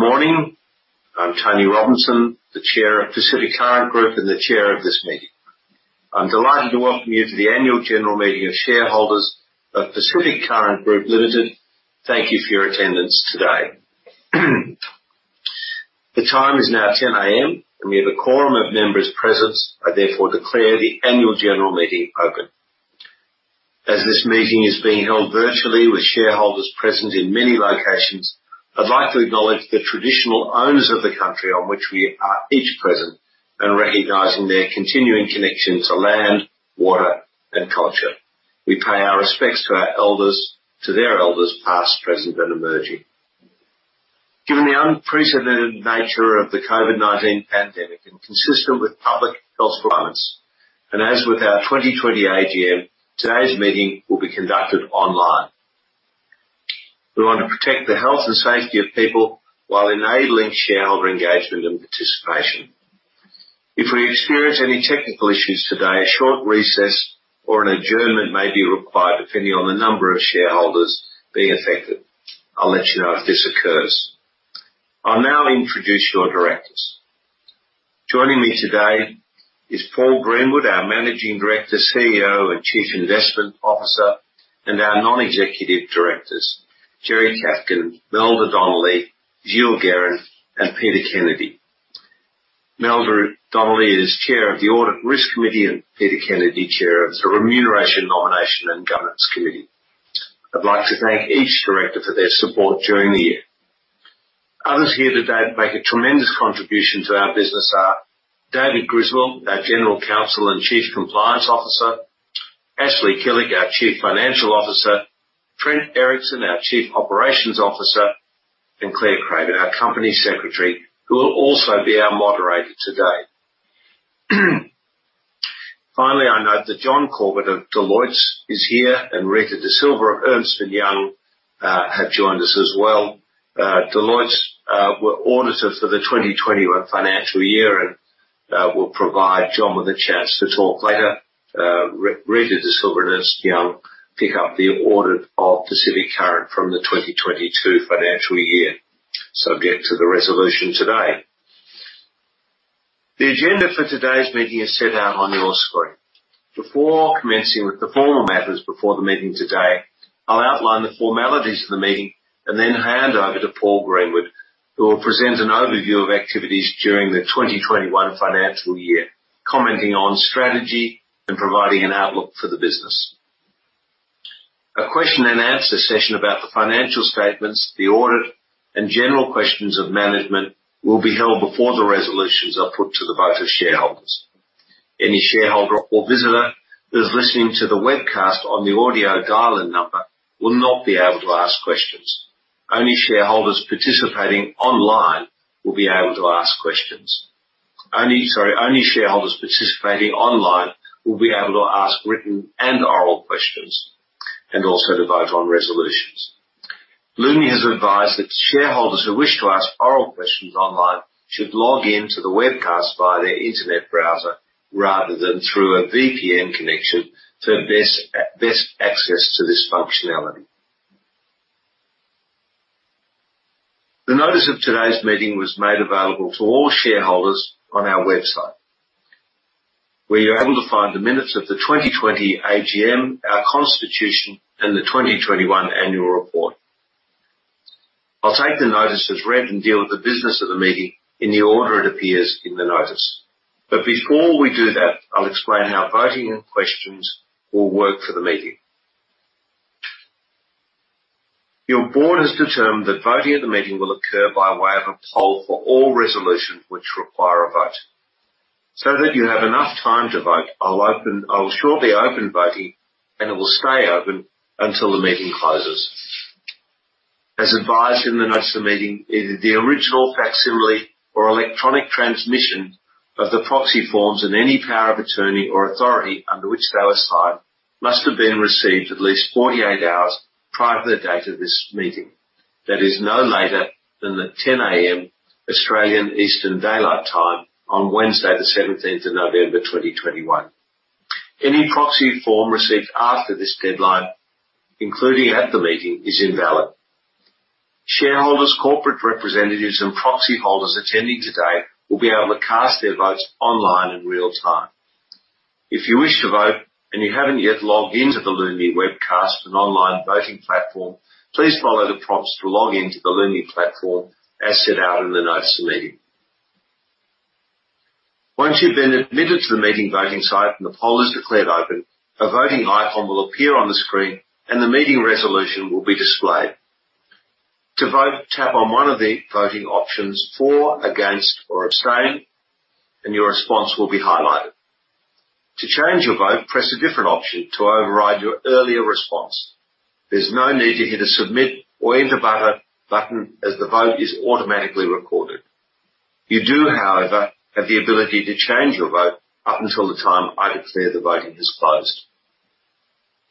Good morning. I'm Tony Robinson, the Chair of Pacific Current Group and the Chair of this meeting. I'm delighted to welcome you to the Annual General Meeting of Shareholders of Pacific Current Group Limited. Thank you for your attendance today. The time is now 10:00 A.M., and we have a quorum of members present. I therefore declare the Annual General Meeting open. As this meeting is being held virtually with shareholders present in many locations, I'd like to acknowledge the traditional owners of the country on which we are each present, and recognizing their continuing connection to land, water, and culture. We pay our respects to our elders, to their elders, past, present, and emerging. Given the unprecedented nature of the COVID-19 pandemic and consistent with public health requirements, and as with our 2020 AGM, today's meeting will be conducted online. We want to protect the health and safety of people while enabling shareholder engagement and participation. If we experience any technical issues today, a short recess or an adjournment may be required depending on the number of shareholders being affected. I'll let you know if this occurs. I'll now introduce your directors. Joining me today is Paul Greenwood, our Managing Director, CEO, and Chief Investment Officer, and our Non-Executive Directors, Jeremiah Chafkin, Melba Donnelly, Gilles Guérin, and Peter Kennedy. Melba Donnelly is Chair of the Audit & Risk Committee, and Peter Kennedy, Chair of the Remuneration, Nomination, and Governance Committee. I'd like to thank each director for their support during the year. Others here today that make a tremendous contribution to our business are David Griswold, our General Counsel and Chief Compliance Officer, Ashley Killick, our Chief Financial Officer, Trent Erickson, our Chief Operations Officer, and Clare Craven, our Company Secretary, who will also be our moderator today. Finally, I note that Jon Corbett of Deloitte is here, and Rita Da Silva of Ernst & Young have joined us as well. Deloitte were auditors for the 2021 financial year and we'll provide John with a chance to talk later. Rita Da Silva and Ernst & Young pick up the audit of Pacific Current from the 2022 financial year, subject to the resolution today. The agenda for today's meeting is set out on your screen. Before commencing with the formal matters before the meeting today, I'll outline the formalities of the meeting and then hand over to Paul Greenwood, who will present an overview of activities during the 2021 financial year, commenting on strategy and providing an outlook for the business. A question and answer session about the financial statements, the audit, and general questions of management will be held before the resolutions are put to the vote of shareholders. Any shareholder or visitor who is listening to the webcast on the audio dial-in number will not be able to ask questions. Only shareholders participating online will be able to ask written and oral questions and also to vote on resolutions. Lumi has advised that shareholders who wish to ask oral questions online should log in to the webcast via their internet browser rather than through a VPN connection to best access to this functionality. The notice of today's meeting was made available to all shareholders on our website, where you're able to find the minutes of the 2020 AGM, our constitution, and the 2021 annual report. I'll take the notice as read and deal with the business of the meeting in the order it appears in the notice. Before we do that, I'll explain how voting and questions will work for the meeting. Your board has determined that voting at the meeting will occur by way of a poll for all resolutions which require a vote. That you have enough time to vote, I'll open, I will shortly open voting, and it will stay open until the meeting closes. As advised in the notice of the meeting, either the original facsimile or electronic transmission of the proxy forms and any power of attorney or authority under which they were signed must have been received at least 48 hours prior to the date of this meeting. That is no later than 10:00 A.M. Australian Eastern Daylight Time on Wednesday, the 17th of November, 2021. Any proxy form received after this deadline, including at the meeting, is invalid. Shareholders, corporate representatives, and proxy holders attending today will be able to cast their votes online in real time. If you wish to vote and you haven't yet logged in to the Lumi webcast and online voting platform, please follow the prompts to log in to the Lumi platform as set out in the notice of the meeting. Once you've been admitted to the meeting voting site and the poll is declared open, a voting icon will appear on the screen, and the meeting resolution will be displayed. To vote, tap on one of the voting options, for, against, or abstain, and your response will be highlighted. To change your vote, press a different option to override your earlier response. There's no need to hit a Submit or enter button, as the vote is automatically recorded. You do, however, have the ability to change your vote up until the time I declare the voting is closed.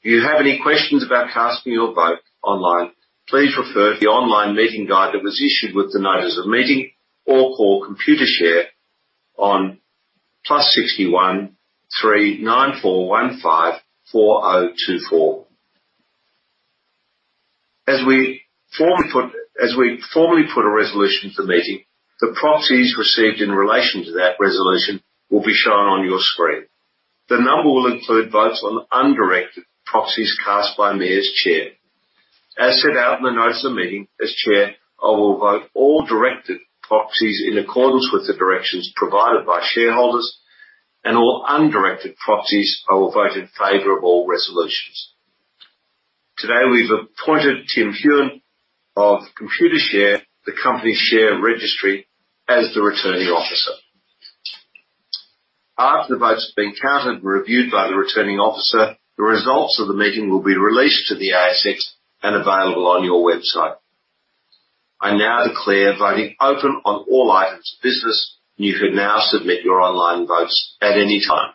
If you have any questions about casting your vote online, please refer to the online meeting guide that was issued with the notice of meeting or call Computershare on +61394154024. As we formally put a resolution to the meeting, the proxies received in relation to that resolution will be shown on your screen. The number will include votes on undirected proxies cast by me as chair. As set out in the notice of meeting, as chair, I will vote all directed proxies in accordance with the directions provided by shareholders and all undirected proxies, I will vote in favor of all resolutions. Today, we've appointed Tim Heun of Computershare, the company share registry, as the returning officer. After the votes have been counted and reviewed by the returning officer, the results of the meeting will be released to the ASX and available on your website. I now declare voting open on all items of business. You can now submit your online votes at any time.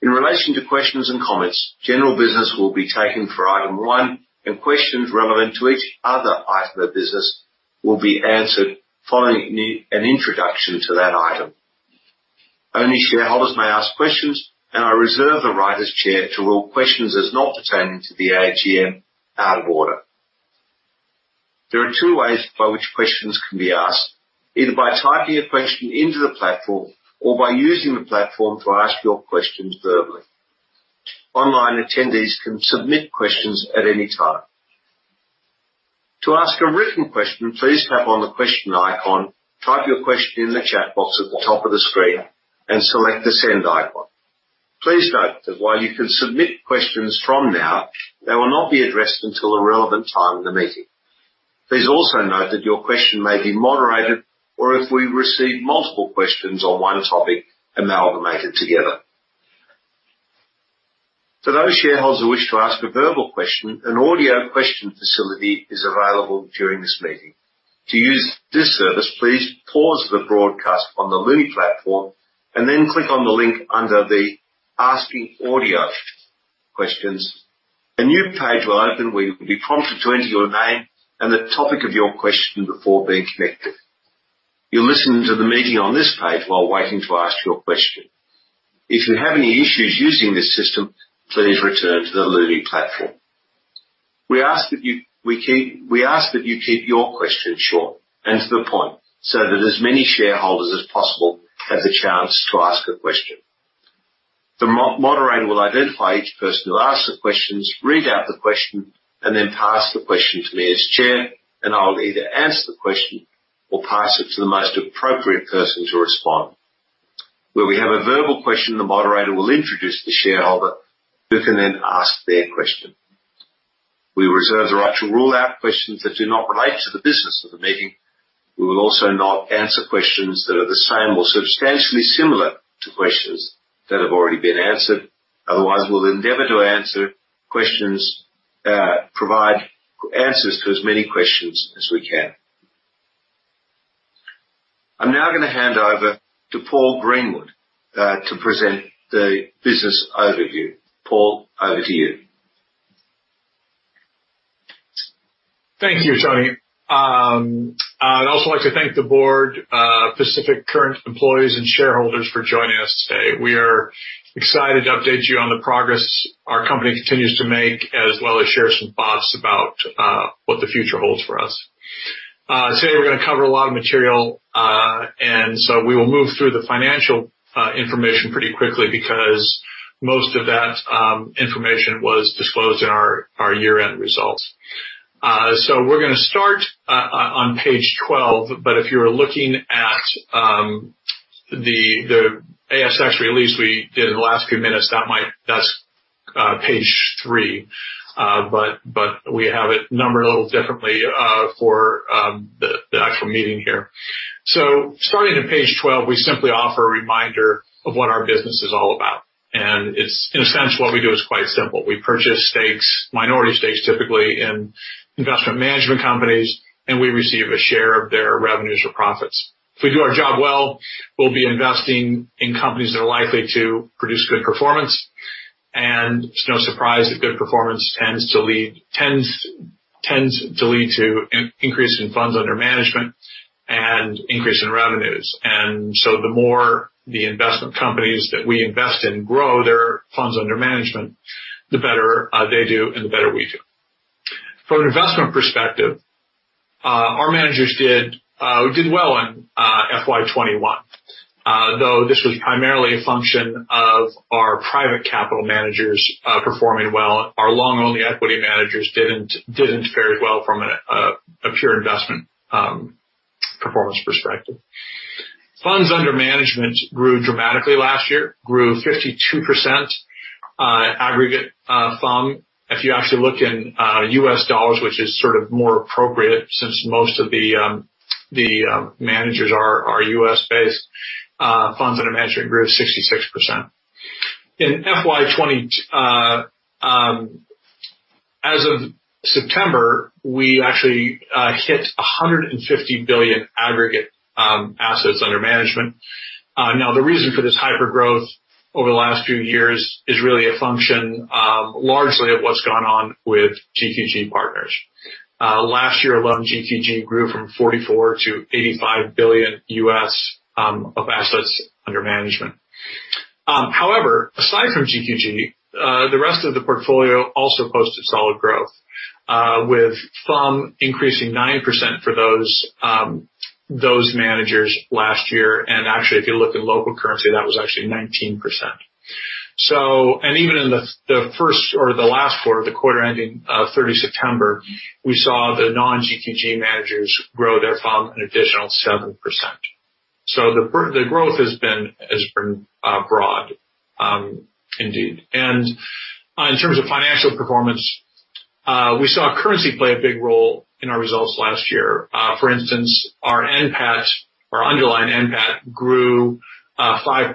In relation to questions and comments, general business will be taken for item one, and questions relevant to each other item of business will be answered following my introduction to that item. Only shareholders may ask questions, and I reserve the right as chair to rule questions as not pertaining to the AGM out of order. There are two ways by which questions can be asked, either by typing a question into the platform or by using the platform to ask your questions verbally. Online attendees can submit questions at any time. To ask a written question, please tap on the question icon, type your question in the chat box at the top of the screen, and select the send icon. Please note that while you can submit questions from now, they will not be addressed until the relevant time in the meeting. Please also note that your question may be moderated or if we receive multiple questions on one topic, amalgamated together. For those shareholders who wish to ask a verbal question, an audio question facility is available during this meeting. To use this service, please pause the broadcast on the Lumi platform and then click on the link under the Asking Audio Questions. A new page will open, where you will be prompted to enter your name and the topic of your question before being connected. You'll listen to the meeting on this page while waiting to ask your question. If you have any issues using this system, please return to the Lumi platform. We ask that you keep your question short and to the point so that as many shareholders as possible have the chance to ask a question. The moderator will identify each person who asks the questions, read out the question, and then pass the question to me as chair, and I'll either answer the question or pass it to the most appropriate person to respond. Where we have a verbal question, the moderator will introduce the shareholder who can then ask their question. We reserve the right to rule out questions that do not relate to the business of the meeting. We will also not answer questions that are the same or substantially similar to questions that have already been answered. Otherwise, we'll endeavor to answer questions, provide answers to as many questions as we can. I'm now gonna hand over to Paul Greenwood, to present the business overview. Paul, over to you. Thank you, Tony. I'd also like to thank the board, Pacific Current employees and shareholders for joining us today. We are excited to update you on the progress our company continues to make, as well as share some thoughts about what the future holds for us. Today we're gonna cover a lot of material, and so we will move through the financial information pretty quickly because most of that information was disclosed in our year-end results. We're gonna start on page 12, but if you're looking at the ASX release we did in the last few minutes, that's page three. We have it numbered a little differently for the actual meeting here. Starting on page 12, we simply offer a reminder of what our business is all about. It's, in a sense, what we do is quite simple. We purchase stakes, minority stakes, typically in investment management companies, and we receive a share of their revenues or profits. If we do our job well, we'll be investing in companies that are likely to produce good performance. It's no surprise that good performance tends to lead to increase in funds under management and increase in revenues. The more the investment companies that we invest in grow their funds under management, the better they do and the better we do. From an investment perspective, our managers did well in FY 2021. Though this was primarily a function of our private capital managers performing well. Our long-only equity managers didn't fare well from a pure investment performance perspective. Funds under management grew dramatically last year, grew 52%, aggregate FUM. If you actually look in U.S. dollars, which is sort of more appropriate since most of the managers are U.S.-based, funds under management grew 66%. As of September, we actually hit 150 billion aggregate assets under management. Now the reason for this hyper-growth over the last few years is really a function largely of what's gone on with GQG Partners. Last year alone, GQG grew from $44 billion-$85 billion U.S. of assets under management. However, aside from GQG, the rest of the portfolio also posted solid growth, with some increasing 9% for those managers last year. Actually, if you look in local currency, that was actually 19%. Even in the last quarter, the quarter ending 30 September, we saw the non-GQG managers grow their fund an additional 7%. The growth has been broad indeed. In terms of financial performance, we saw currency play a big role in our results last year. For instance, our NPAT, our underlying NPAT grew 5%,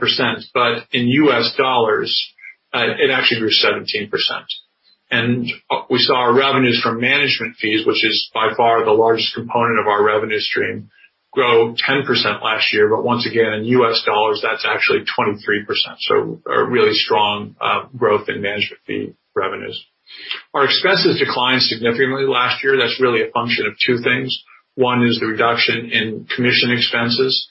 but in U.S. dollars, it actually grew 17%. We saw our revenues from management fees, which is by far the largest component of our revenue stream, grow 10% last year. Once again, in U.S. dollars, that's actually 23%. A really strong growth in management fee revenues. Our expenses declined significantly last year. That's really a function of two things. One is the reduction in commission expenses,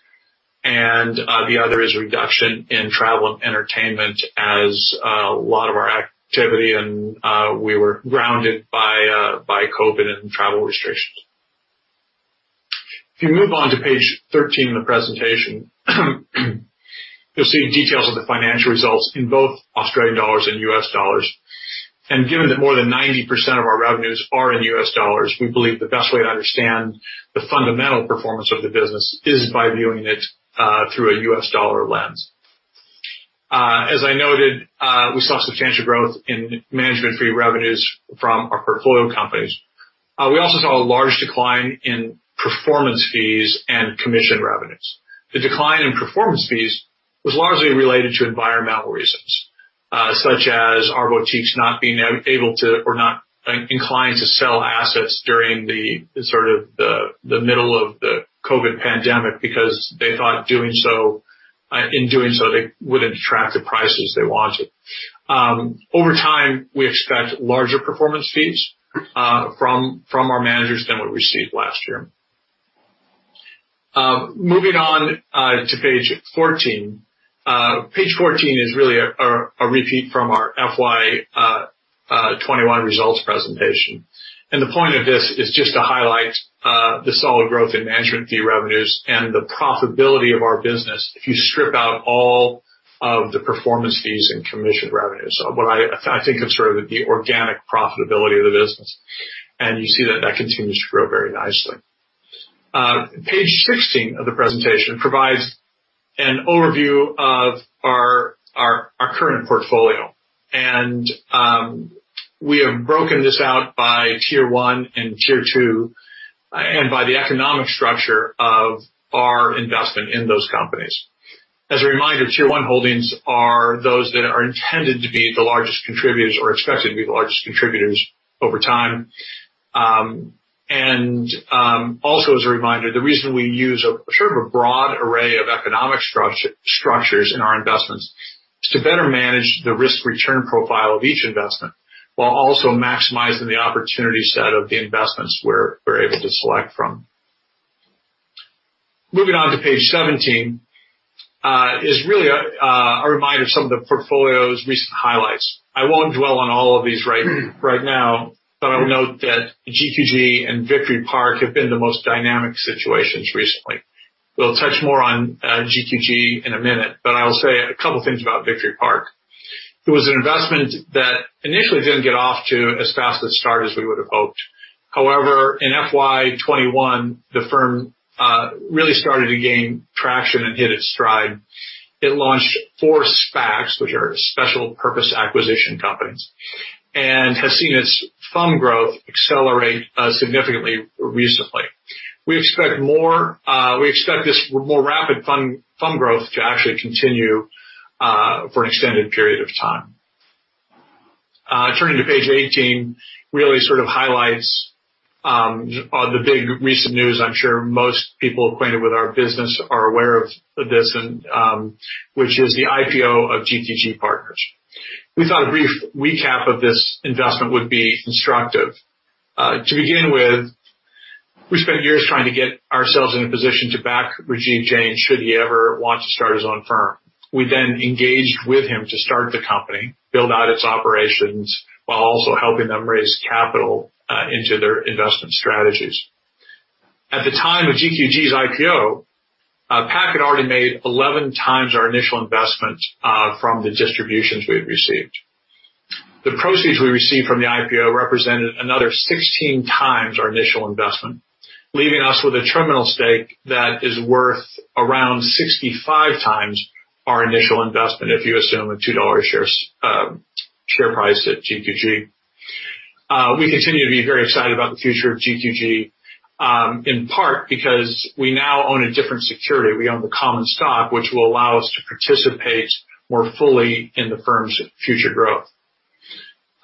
and the other is a reduction in travel and entertainment as a lot of our activity and we were grounded by COVID and travel restrictions. If you move on to page 13 in the presentation, you'll see details of the financial results in both Australian dollars and U.S. dollars. Given that more than 90% of our revenues are in U.S. dollars, we believe the best way to understand the fundamental performance of the business is by viewing it through a U.S. dollar lens. As I noted, we saw substantial growth in management fee revenues from our portfolio companies. We also saw a large decline in performance fees and commission revenues. The decline in performance fees was largely related to environmental reasons, such as our boutiques not being able to or not inclined to sell assets during the middle of the COVID pandemic because they thought doing so, they wouldn't attract the prices they wanted. Over time, we expect larger performance fees from our managers than we received last year. Moving on to page 14. Page 14 is really a repeat from our FY 21 results presentation. The point of this is just to highlight the solid growth in management fee revenues and the profitability of our business if you strip out all of the performance fees and commission revenues. What I think of sort of the organic profitability of the business. You see that continues to grow very nicely. Page 16 of the presentation provides an overview of our current portfolio. We have broken this out by tier one and tier two, and by the economic structure of our investment in those companies. As a reminder, tier one holdings are those that are intended to be the largest contributors or expected to be the largest contributors over time. Also as a reminder, the reason we use a sort of a broad array of economic structures in our investments is to better manage the risk-return profile of each investment, while also maximizing the opportunity set of the investments we're able to select from. Moving on to page 17 is really a reminder of some of the portfolio's recent highlights. I won't dwell on all of these right now, but I will note that GQG and Victory Park have been the most dynamic situations recently. We'll touch more on GQG in a minute, but I'll say a couple of things about Victory Park. It was an investment that initially didn't get off to as fast a start as we would have hoped. However, in FY 2021, the firm really started to gain traction and hit its stride. It launched four SPACs, which are special purpose acquisition companies, and has seen its fund growth accelerate significantly recently. We expect this more rapid fund growth to actually continue for an extended period of time. Turning to page 18, really sort of highlights the big recent news. I'm sure most people acquainted with our business are aware of this, which is the IPO of GQG Partners. We thought a brief recap of this investment would be constructive. To begin with, we spent years trying to get ourselves in a position to back Rajiv Jain should he ever want to start his own firm. We then engaged with him to start the company, build out its operations, while also helping them raise capital into their investment strategies. At the time of GQG's IPO, PAC had already made 11 times our initial investment from the distributions we had received. The proceeds we received from the IPO represented another 16 times our initial investment, leaving us with a terminal stake that is worth around 65 times our initial investment, if you assume an 2 dollar share price at GQG. We continue to be very excited about the future of GQG, in part because we now own a different security. We own the common stock, which will allow us to participate more fully in the firm's future growth.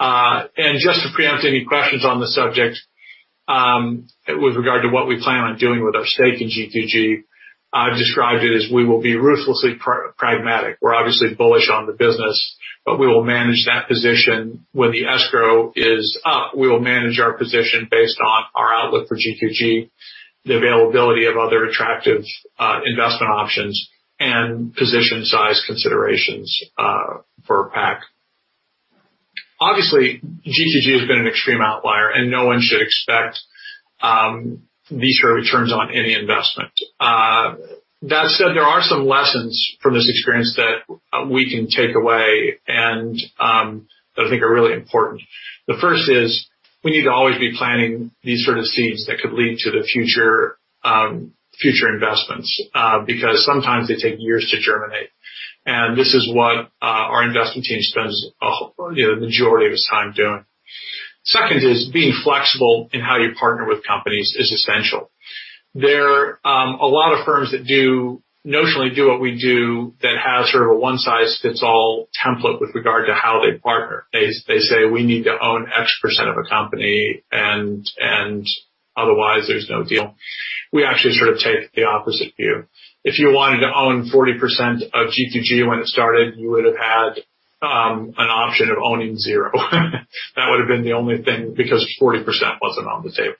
Just to preempt any questions on the subject, with regard to what we plan on doing with our stake in GQG. I've described it as we will be ruthlessly pragmatic. We're obviously bullish on the business, but we will manage that position. When the escrow is up, we will manage our position based on our outlook for GQG, the availability of other attractive investment options and position size considerations for PAC. Obviously, GQG has been an extreme outlier, and no one should expect these sort of returns on any investment. That said, there are some lessons from this experience that we can take away and that I think are really important. The first is we need to always be planting these sort of seeds that could lead to future investments because sometimes they take years to germinate. This is what our investment team spends you know, the majority of its time doing. Second is being flexible in how you partner with companies is essential. There are a lot of firms that do Notionally do what we do that has sort of a one-size-fits-all template with regard to how they partner. They say, "We need to own X% of a company and otherwise there's no deal." We actually sort of take the opposite view. If you wanted to own 40% of GQG when it started, you would have had an option of owning zero. That would have been the only thing because 40% wasn't on the table.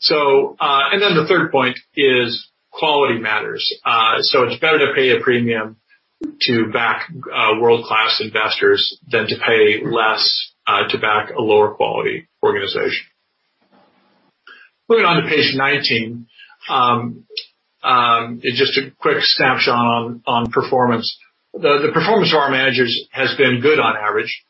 The third point is quality matters. It's better to pay a premium to back world-class investors than to pay less to back a lower quality organization. Moving on to page 19, it's just a quick snapshot on performance. The performance of our managers has been good on average.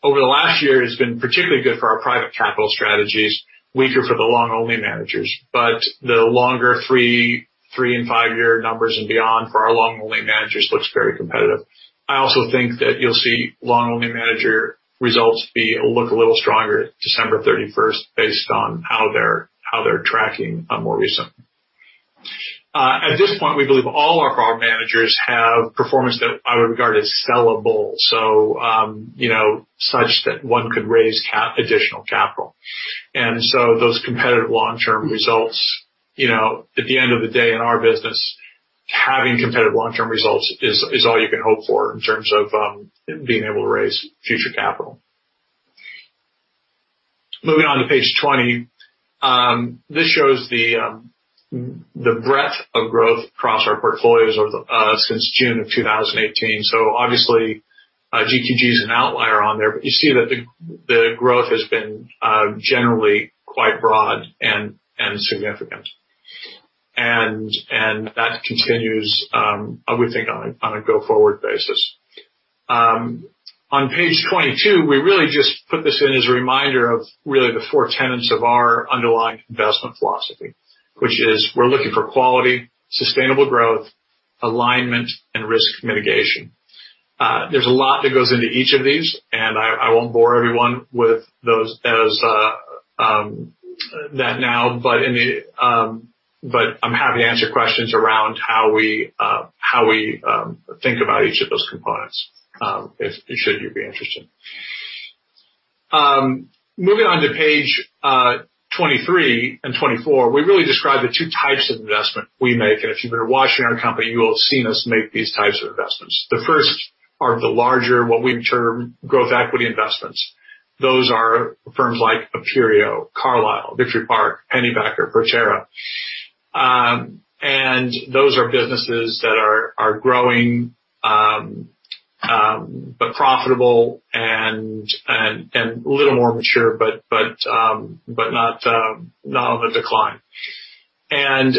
Over the last year, it's been particularly good for our private capital strategies, weaker for the long-only managers. The longer three- and five-year numbers and beyond for our long-only managers looks very competitive. I also think that you'll see long-only manager results look a little stronger December thirty-first based on how they're tracking more recently. At this point, we believe all our managers have performance that I would regard as sellable, so you know, such that one could raise additional capital. Those competitive long-term results, you know, at the end of the day in our business, having competitive long-term results is all you can hope for in terms of being able to raise future capital. Moving on to page 20, this shows the breadth of growth across our portfolios since June of 2018. Obviously, GQG is an outlier on there, but you see that the growth has been generally quite broad and that continues, I would think, on a go-forward basis. On page 22, we really just put this in as a reminder of really the four tenets of our underlying investment philosophy, which is we're looking for quality, sustainable growth, alignment, and risk mitigation. There's a lot that goes into each of these, and I won't bore everyone with those now, but I'm happy to answer questions around how we think about each of those components, if you should be interested. Moving on to page 23 and 24, we really describe the two types of investment we make. If you've been watching our company, you will have seen us make these types of investments. The first are the larger, what we term growth equity investments. Those are firms like Aperio, Carlyle, Victory Park, Pennybacker, Proterra. And those are businesses that are growing, but profitable and a little more mature, but not on the decline. Then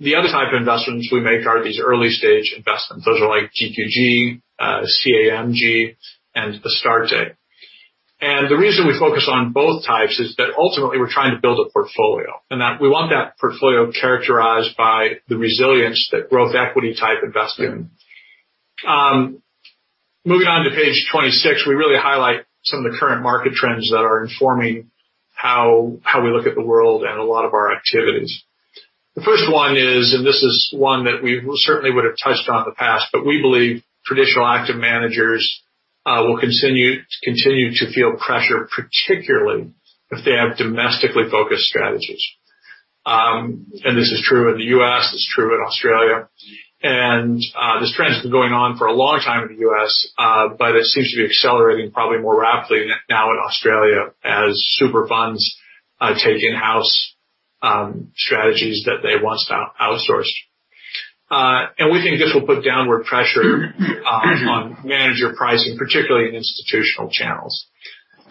the other type of investments we make are these early-stage investments. Those are like GQG, CAMG, and Astarte. The reason we focus on both types is that ultimately we're trying to build a portfolio and that we want that portfolio characterized by the resilience that growth equity type investment. Moving on to page 26, we really highlight some of the current market trends that are informing how we look at the world and a lot of our activities. The first one is, and this is one that we certainly would have touched on in the past, but we believe traditional active managers will continue to feel pressure, particularly if they have domestically focused strategies. This is true in the U.S., it's true in Australia. This trend's been going on for a long time in the U.S., but it seems to be accelerating probably more rapidly now in Australia as super funds take in-house strategies that they once outsourced. We think this will put downward pressure on manager pricing, particularly in institutional channels.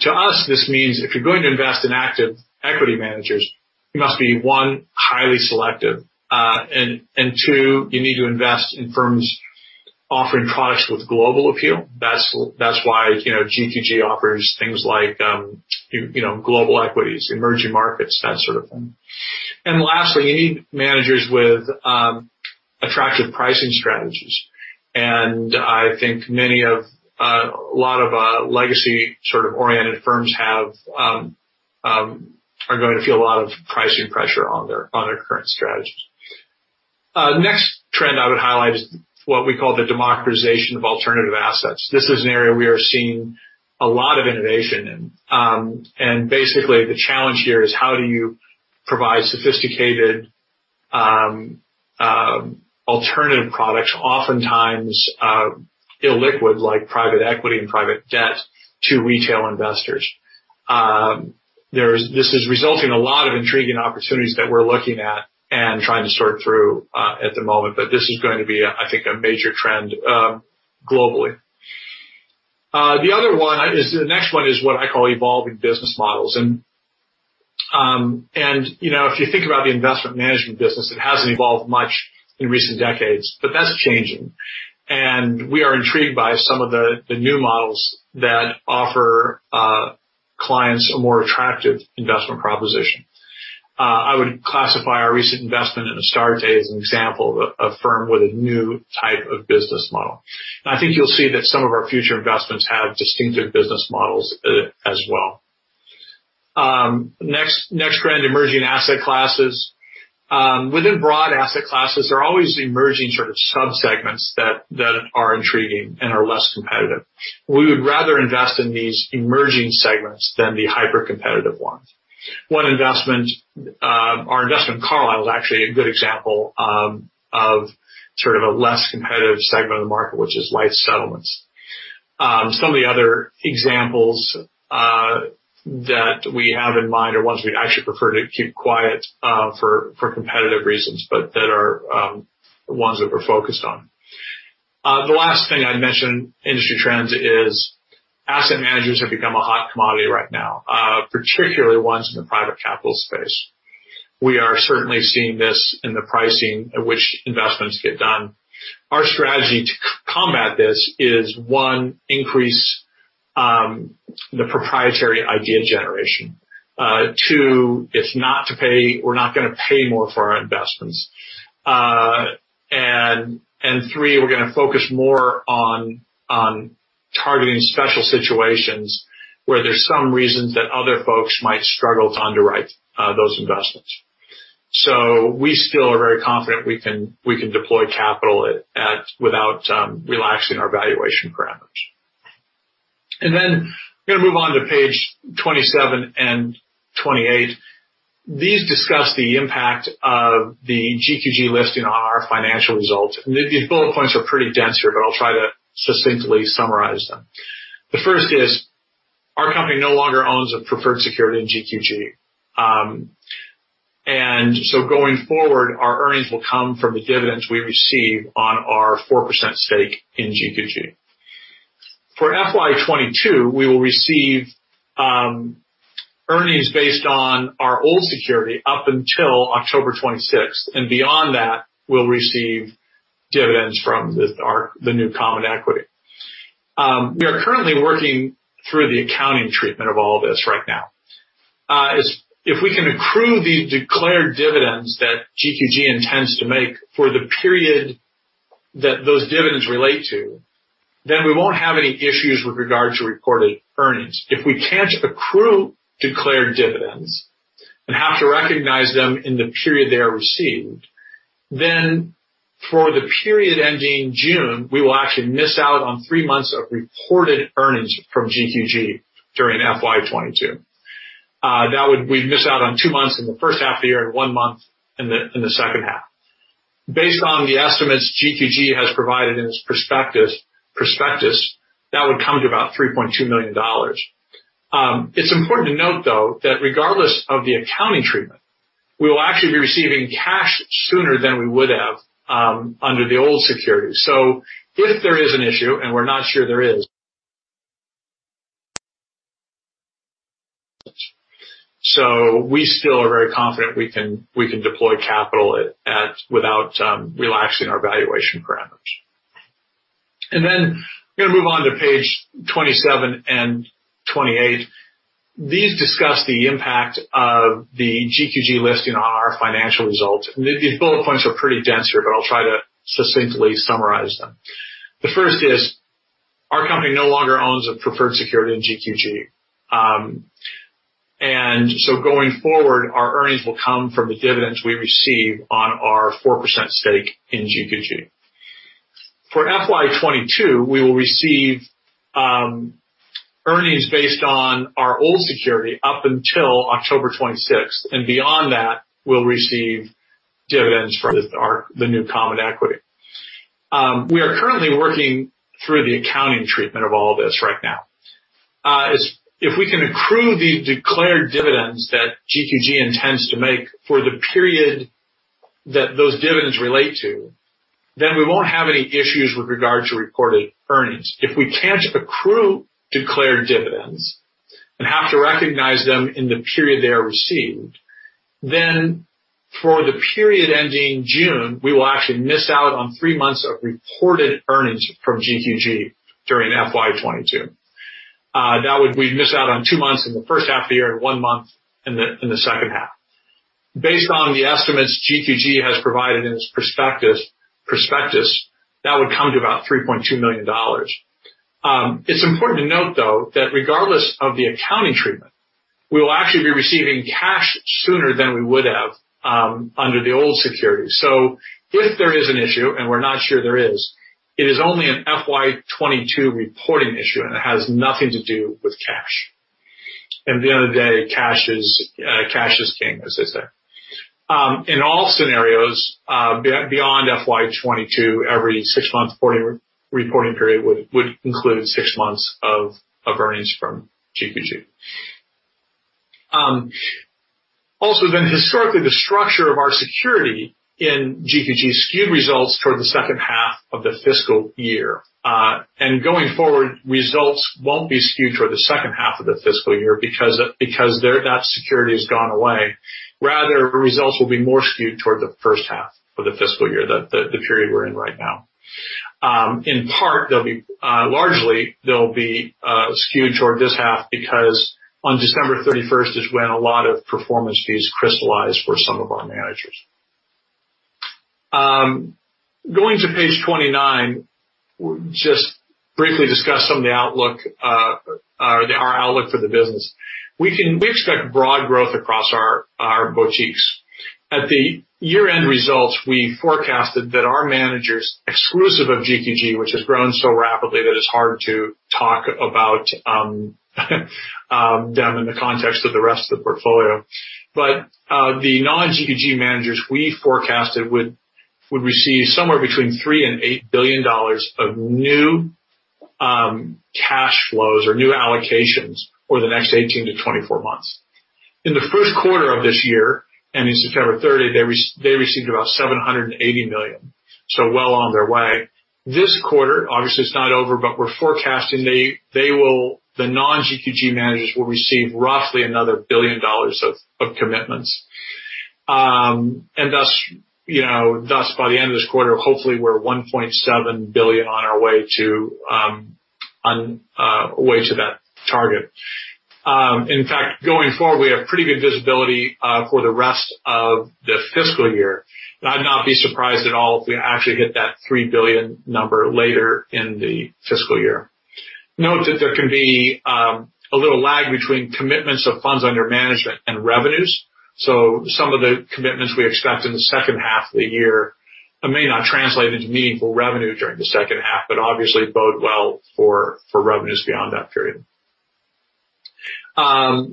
To us, this means if you're going to invest in active equity managers, you must be, one, highly selective, and two, you need to invest in firms offering products with global appeal. That's why, you know, GQG offers things like, you know, global equities, emerging markets, that sort of thing. Lastly, you need managers with attractive pricing strategies. I think many of a lot of legacy sort of oriented firms are going to feel a lot of pricing pressure on their current strategies. Next trend I would highlight is what we call the democratization of alternative assets. This is an area we are seeing a lot of innovation in. Basically, the challenge here is how do you provide sophisticated alternative products, oftentimes illiquid, like private equity and private debt to retail investors. This is resulting in a lot of intriguing opportunities that we're looking at and trying to sort through at the moment, but this is going to be a, I think, a major trend globally. The next one is what I call evolving business models. you know, if you think about the investment management business, it hasn't evolved much in recent decades, but that's changing. We are intrigued by some of the new models that offer clients a more attractive investment proposition. I would classify our recent investment in Astarte as an example of a firm with a new type of business model. I think you'll see that some of our future investments have distinctive business models, as well. Next trend, emerging asset classes. Within broad asset classes, there are always emerging sort of subsegments that are intriguing and are less competitive. We would rather invest in these emerging segments than the hypercompetitive ones. One investment, our investment in Carlyle is actually a good example, of sort of a less competitive segment of the market, which is life settlements. Some of the other examples that we have in mind are ones we actually prefer to keep quiet for competitive reasons, but that are ones that we're focused on. The last thing I'd mention about industry trends is asset managers have become a hot commodity right now, particularly ones in the private capital space. We are certainly seeing this in the pricing at which investments get done. Our strategy to combat this is one, increase the proprietary idea generation. Two, not to pay, we're not gonna pay more for our investments. And three, we're gonna focus more on targeting special situations where there's some reasons that other folks might struggle to underwrite those investments. We still are very confident we can deploy capital without relaxing our valuation parameters. We're gonna move on to page 27 and 28. These discuss the impact of the GQG listing on our financial results. These bullet points are pretty dense, but I'll try to succinctly summarize them. The first is, our company no longer owns a preferred security in GQG. Going forward, our earnings will come from the dividends we receive on our 4% stake in GQG. For FY 2022, we will receive earnings based on our old security up until October 26th. Beyond that, we'll receive dividends from the new common equity. We are currently working through the accounting treatment of all of this right now. That is, if we can accrue the declared dividends that GQG intends to make for the period that those dividends relate to, then we won't have any issues with regard to reported earnings. If we can't accrue declared dividends and have to recognize them in the period they are received, then for the period ending June, we will actually miss out on three months of reported earnings from GQG during FY 2022. That would, we'd miss out on two months in the first half of the year and one month in the second half. Based on the estimates GQG has provided in its prospectus, that would come to about $3.2 million. It's important to note, though, that regardless of the accounting treatment, we will actually be receiving cash sooner than we would have under the old security. If there is an issue, and we're not sure there is. We still are very confident we can deploy capital without relaxing our valuation parameters. We're gonna move on to page 27 and 28. These discuss the impact of the GQG listing on our financial results. These bullet points are pretty dense, but I'll try to succinctly summarize them. The first is, our company no longer owns a preferred security in GQG. Going forward, our earnings will come from the dividends we receive on our 4% stake in GQG. For FY 2022, we will receive earnings based on our old security up until October 26. Beyond that, we'll receive dividends from the new common equity. We are currently working through the accounting treatment of all of this right now. i.e., if we can accrue the declared dividends that GQG intends to make for the period that those dividends relate to, then we won't have any issues with regard to reported earnings. If we can't accrue declared dividends and have to recognize them in the period they are received, then for the period ending June, we will actually miss out on three months of reported earnings from GQG during FY 2022. That would, we'd miss out on two months in the first half of the year and one month in the second half. Based on the estimates GQG has provided in its prospectus, that would come to about $3.2 million. It's important to note, though, that regardless of the accounting treatment. We will actually be receiving cash sooner than we would have under the old security. If there is an issue, and we're not sure there is, it is only an FY 2022 reporting issue, and it has nothing to do with cash. At the end of the day, cash is king, as they say. In all scenarios, beyond FY 2022, every six-month reporting period would include six months of earnings from GQG. Also then historically, the structure of our security in GQG skewed results toward the second half of the fiscal year. Going forward, results won't be skewed toward the second half of the fiscal year because that security has gone away. Rather, results will be more skewed toward the first half of the fiscal year, the period we're in right now. In part, they'll be largely skewed toward this half because on December 31st is when a lot of performance fees crystallize for some of our managers. Going to page 29, we'll just briefly discuss some of the outlook or our outlook for the business. We expect broad growth across our boutiques. At the year-end results, we forecasted that our managers, exclusive of GQG, which has grown so rapidly that it's hard to talk about them in the context of the rest of the portfolio. The non-GQG managers we forecasted would receive somewhere between 3 billion and 8 billion dollars of new cash flows or new allocations over the next 18 to 24 months. In the first quarter of this year, ending September 30, they received about 780 million, so well on their way. This quarter, obviously, it's not over, but we're forecasting they will the non-GQG managers will receive roughly another 1 billion dollars of commitments. Thus, you know, by the end of this quarter, hopefully, we're 1.7 billion on our way to that target. In fact, going forward, we have pretty good visibility for the rest of the fiscal year. I'd not be surprised at all if we actually hit that 3 billion number later in the fiscal year. Note that there can be a little lag between commitments of funds under management and revenues, so some of the commitments we expect in the second half of the year may not translate into meaningful revenue during the second half, but obviously bode well for revenues beyond that period. The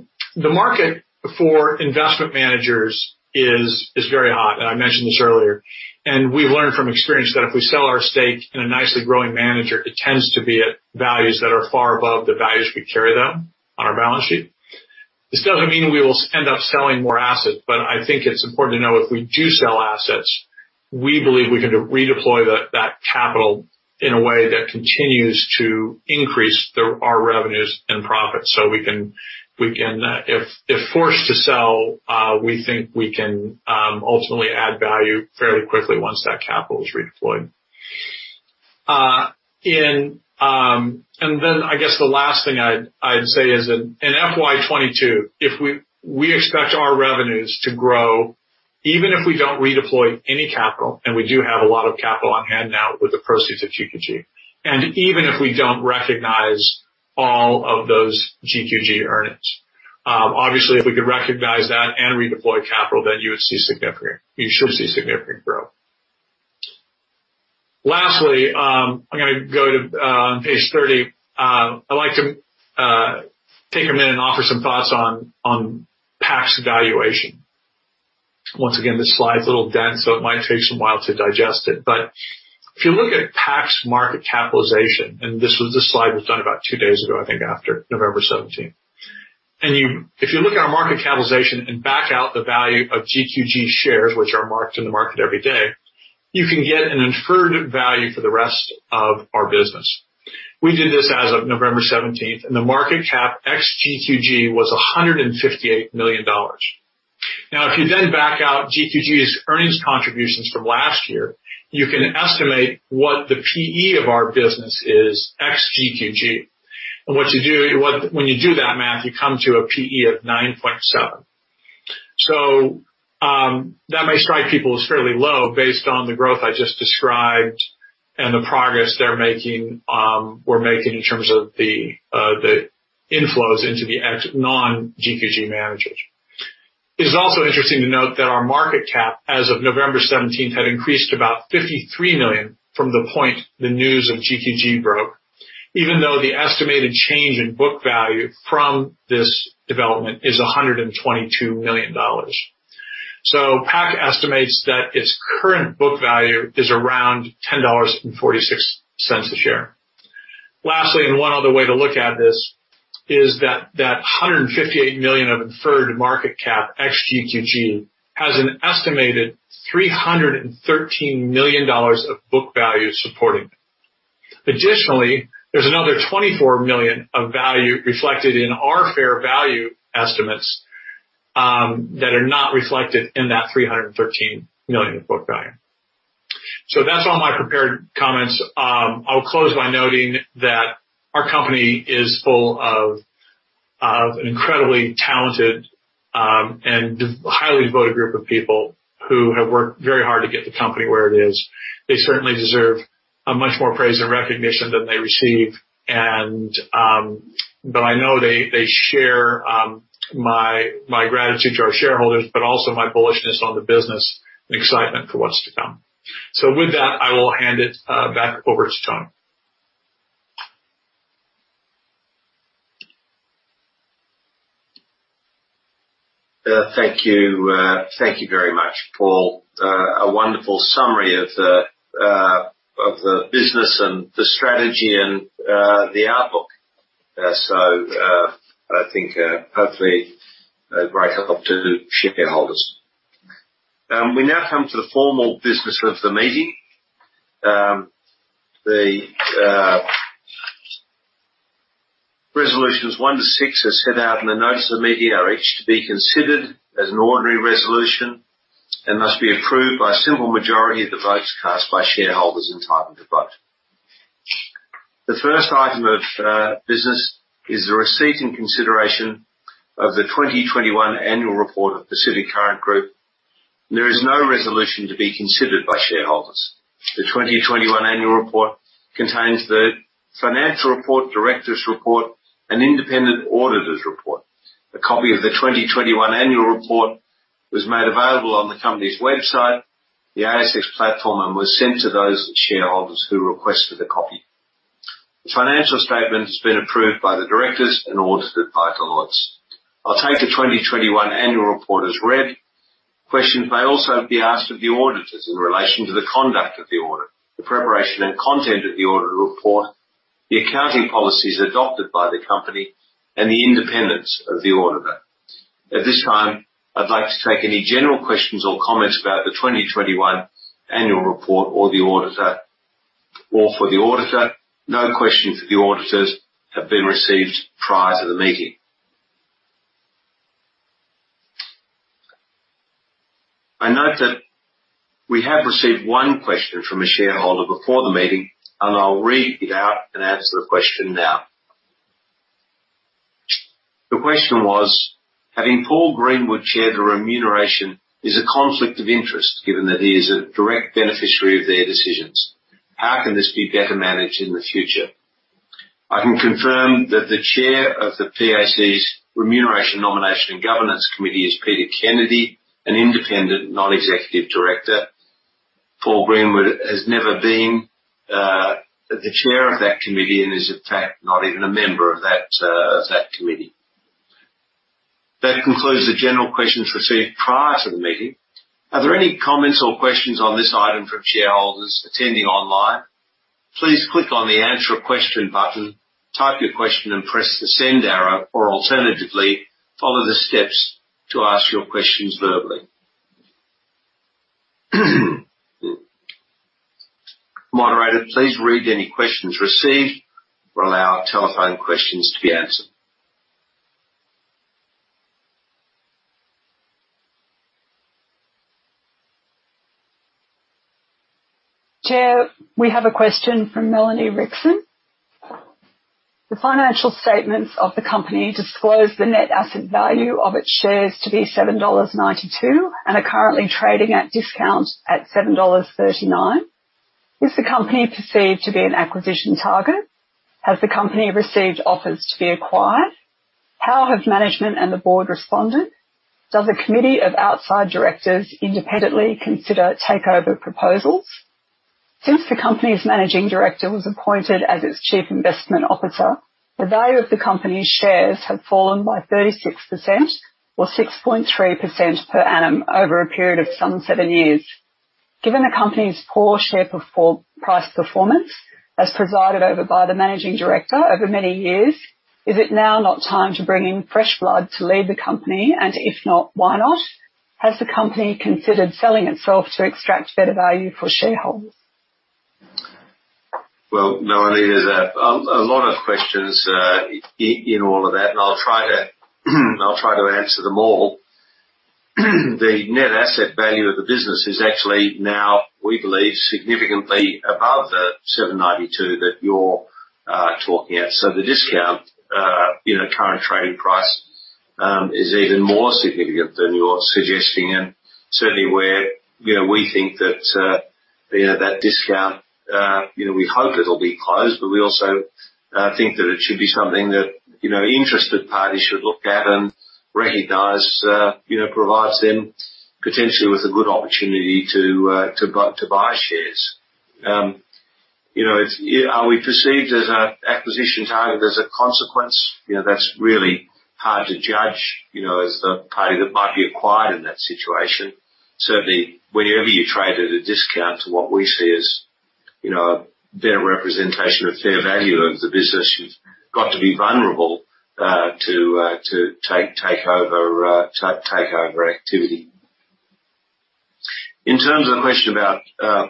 market for investment managers is very hot, and I mentioned this earlier. We've learned from experience that if we sell our stake in a nicely growing manager, it tends to be at values that are far above the values we carry them on our balance sheet. This doesn't mean we will end up selling more assets, but I think it's important to know if we do sell assets, we believe we can redeploy that capital in a way that continues to increase our revenues and profits. We can, if forced to sell, we think we can ultimately add value fairly quickly once that capital is redeployed. Then I guess the last thing I'd say is in FY 2022, if we expect our revenues to grow even if we don't redeploy any capital, and we do have a lot of capital on hand now with the proceeds of GQG. Even if we don't recognize all of those GQG earnings. Obviously, if we could recognize that and redeploy capital, then you should see significant growth. Lastly, I'm gonna go to page 30. I'd like to take a minute and offer some thoughts on PAC's valuation. Once again, this slide's a little dense, so it might take some time to digest it. But if you look at PAC's market capitalization, and this was the slide we've done about two days ago, I think, after November 17th. If you look at our market capitalization and back out the value of GQG shares, which are marked in the market every day, you can get an inferred value for the rest of our business. We did this as of November seventeenth, and the market cap ex GQG was AUD 158 million. Now, if you then back out GQG's earnings contributions from last year, you can estimate what the PE of our business is ex GQG. When you do that math, you come to a PE of 9.7. That may strike people as fairly low based on the growth I just described and the progress we're making in terms of the inflows into the non-GQG managers. It's also interesting to note that our market cap, as of November 17, had increased about 53 million from the point the news of GQG broke, even though the estimated change in book value from this development is 122 million dollars. PAC estimates that its current book value is around 10.46 dollars a share. Lastly, one other way to look at this is that 158 million of inferred market cap ex GQG has an estimated 313 million dollars of book value supporting it. Additionally, there's another 24 million of value reflected in our fair value estimates that are not reflected in that 313 million of book value. That's all my prepared comments. I'll close by noting that our company is full of incredibly talented and the highly devoted group of people who have worked very hard to get the company where it is. They certainly deserve a much more praise and recognition than they receive. I know they share my gratitude to our shareholders, but also my bullishness on the business and excitement for what's to come. With that, I will hand it back over to Tony. Thank you. Thank you very much, Paul. A wonderful summary of the business and the strategy and the outlook. I think hopefully a great help to shareholders. We now come to the formal business of the meeting. The resolutions one to six, as set out in the notice of the meeting, are each to be considered as an ordinary resolution and must be approved by a simple majority of the votes cast by shareholders entitled to vote. The first item of business is the receipt and consideration of the 2021 annual report of Pacific Current Group. There is no resolution to be considered by shareholders. The 2021 annual report contains the financial report, directors' report, and independent auditor's report. A copy of the 2021 annual report was made available on the company's website, the ASX platform, and was sent to those shareholders who requested a copy. The financial statement has been approved by the directors and audited by Deloitte. I'll take the 2021 annual report as read. Questions may also be asked of the auditors in relation to the conduct of the audit, the preparation and content of the audit report, the accounting policies adopted by the company, and the independence of the auditor. At this time, I'd like to take any general questions or comments about the 2021 annual report or the auditor. Or for the auditor. No questions for the auditors have been received prior to the meeting. I note that we have received one question from a shareholder before the meeting, and I'll read it out and answer the question now. The question was, "Having Paul Greenwood chair the remuneration is a conflict of interest given that he is a direct beneficiary of their decisions. How can this be better managed in the future?" I can confirm that the chair of the PAC's Remuneration, Nomination and Governance Committee is Peter Kennedy, an independent non-executive director. Paul Greenwood has never been the chair of that committee and is in fact not even a member of that committee. That concludes the general questions received prior to the meeting. Are there any comments or questions on this item from shareholders attending online? Please click on the Answer a Question button, type your question and press the send arrow, or alternatively, follow the steps to ask your questions verbally. Moderator, please read any questions received or allow telephone questions to be answered. Chair, we have a question from Melanie Rickson. The financial statements of the company disclose the net asset value of its shares to be 7.92 dollars and are currently trading at discount at 7.39 dollars. Is the company perceived to be an acquisition target? Has the company received offers to be acquired? How have management and the board responded? Does a committee of outside directors independently consider takeover proposals? Since the company's Managing Director was appointed as its Chief Investment Officer, the value of the company's shares have fallen by 36% or 6.3% per annum over a period of some seven years. Given the company's poor share price performance as presided over by the managing director over many years, is it now not time to bring in fresh blood to lead the company? If not, why not? Has the company considered selling itself to extract better value for shareholders? Well, Melanie, there's a lot of questions in all of that, and I'll try to answer them all. The net asset value of the business is actually now, we believe, significantly above the 7.92 that you're talking at. The discount, you know, current trading price, is even more significant than you're suggesting. Certainly we're, you know, we think that, you know, that discount, you know, we hope it'll be closed, but we also think that it should be something that, you know, interested parties should look at and recognize, you know, provides them potentially with a good opportunity to buy shares. Are we perceived as an acquisition target as a consequence? You know, that's really hard to judge, you know, as the party that might be acquired in that situation. Certainly, whenever you trade at a discount to what we see as, you know, a better representation of fair value of the business, you've got to be vulnerable to takeover activity. In terms of the question about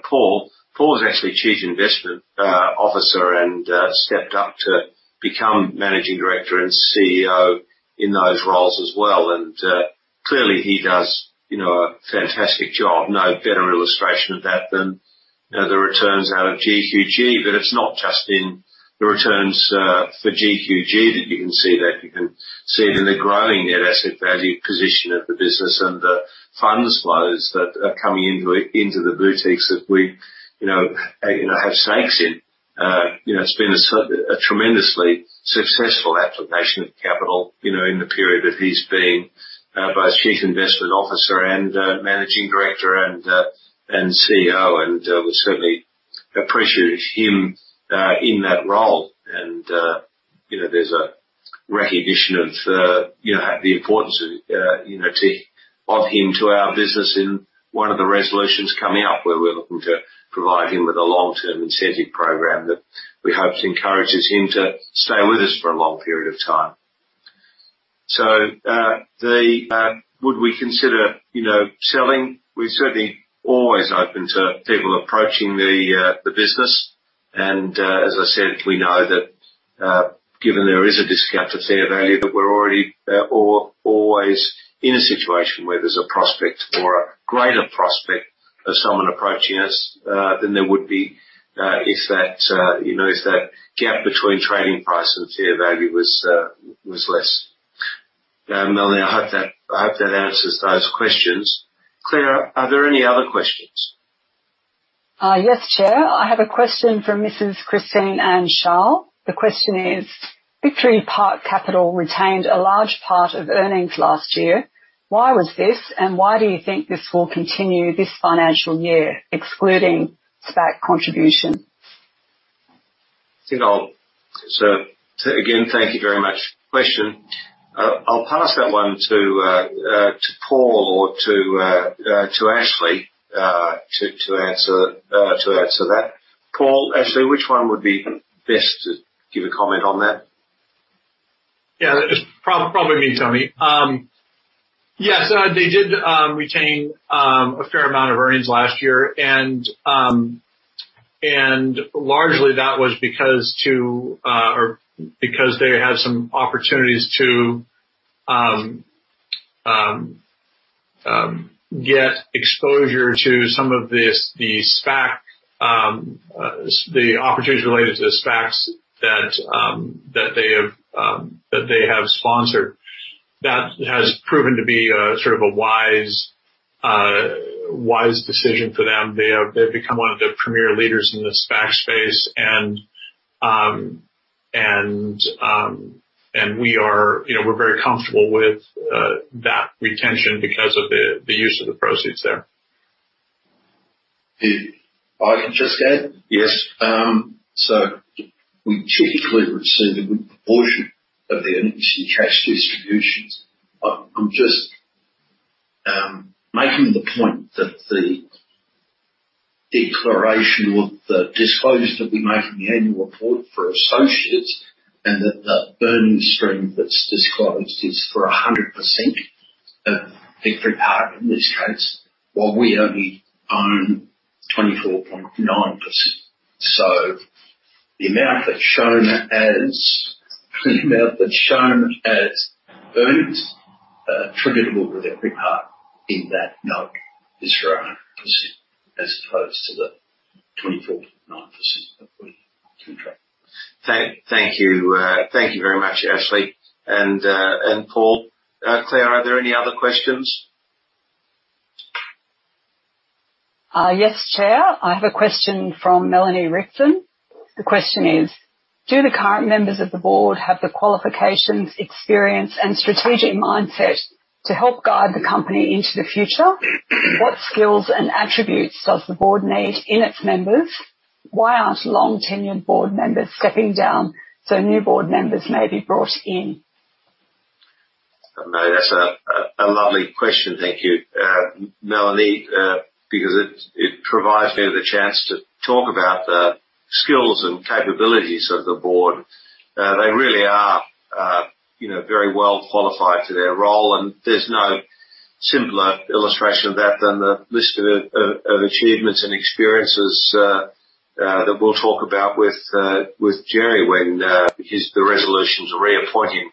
Paul. Paul is actually Chief Investment Officer and stepped up to become Managing Director and CEO in those roles as well. Clearly he does, you know, a fantastic job. No better illustration of that than the returns out of GQG, but it's not just in the returns for GQG that you can see that. You can see it in the growing net asset value position of the business and the funds flows that are coming into the boutiques that we, you know, have stakes in. You know, it's been a tremendously successful allocation of capital, you know, in the period that he's been both Chief Investment Officer and Managing Director and CEO. We certainly appreciate him in that role. You know, there's a recognition of the importance of him to our business in one of the resolutions coming up, where we're looking to provide him with a long-term incentive program that we hope encourages him to stay with us for a long period of time. Would we consider, you know, selling? We're certainly always open to people approaching the business. As I said, we know that, given there is a discount to fair value, that we're already or always in a situation where there's a prospect or a greater prospect of someone approaching us than there would be if that you know if that gap between trading price and fair value was less. Now, Melanie, I hope that answers those questions. Clare, are there any other questions? Yes, Chair. I have a question from Mrs. Christine Anne Shaw. The question is: Victory Park Capital retained a large part of earnings last year. Why was this, and why do you think this will continue this financial year, excluding SPAC contribution? Again, thank you very much for the question. I'll pass that one to Paul or to Ashley to answer that. Paul, Ashley, which one would be best to give a comment on that? Yeah, it is probably me, Tony. Yes, they did retain a fair amount of earnings last year. Largely that was because they had some opportunities to get exposure to some of this, the SPAC opportunities related to the SPACs that they have sponsored. That has proven to be sort of a wise decision for them. They have become one of the premier leaders in the SPAC space and we are, you know, very comfortable with that retention because of the use of the proceeds there. If I can just add? Yes. We typically receive a good proportion of the earnings in cash distributions. I'm just making the point that the declaration or the disclosure that we make in the annual report for associates and that the earnings stream that's disclosed is for 100% of Victory Park in this case, while we only own 24.9%. The amount that's shown as earnings attributable to Victory Park in that note is for 100%, as opposed to the 24.9% of the contract. Thank you. Thank you very much, Ashley and Paul. Clare, are there any other questions? Yes, Chair. I have a question from Melanie Rixon. The question is: Do the current members of the board have the qualifications, experience, and strategic mindset to help guide the company into the future? What skills and attributes does the board need in its members? Why aren't long-tenured board members stepping down so new board members may be brought in? Melanie, that's a lovely question. Thank you, Melanie, because it provides me with a chance to talk about the skills and capabilities of the board. They really are, you know, very well qualified for their role, and there's no simpler illustration of that than the list of achievements and experiences that we'll talk about with Gerry when his the resolution to reappoint him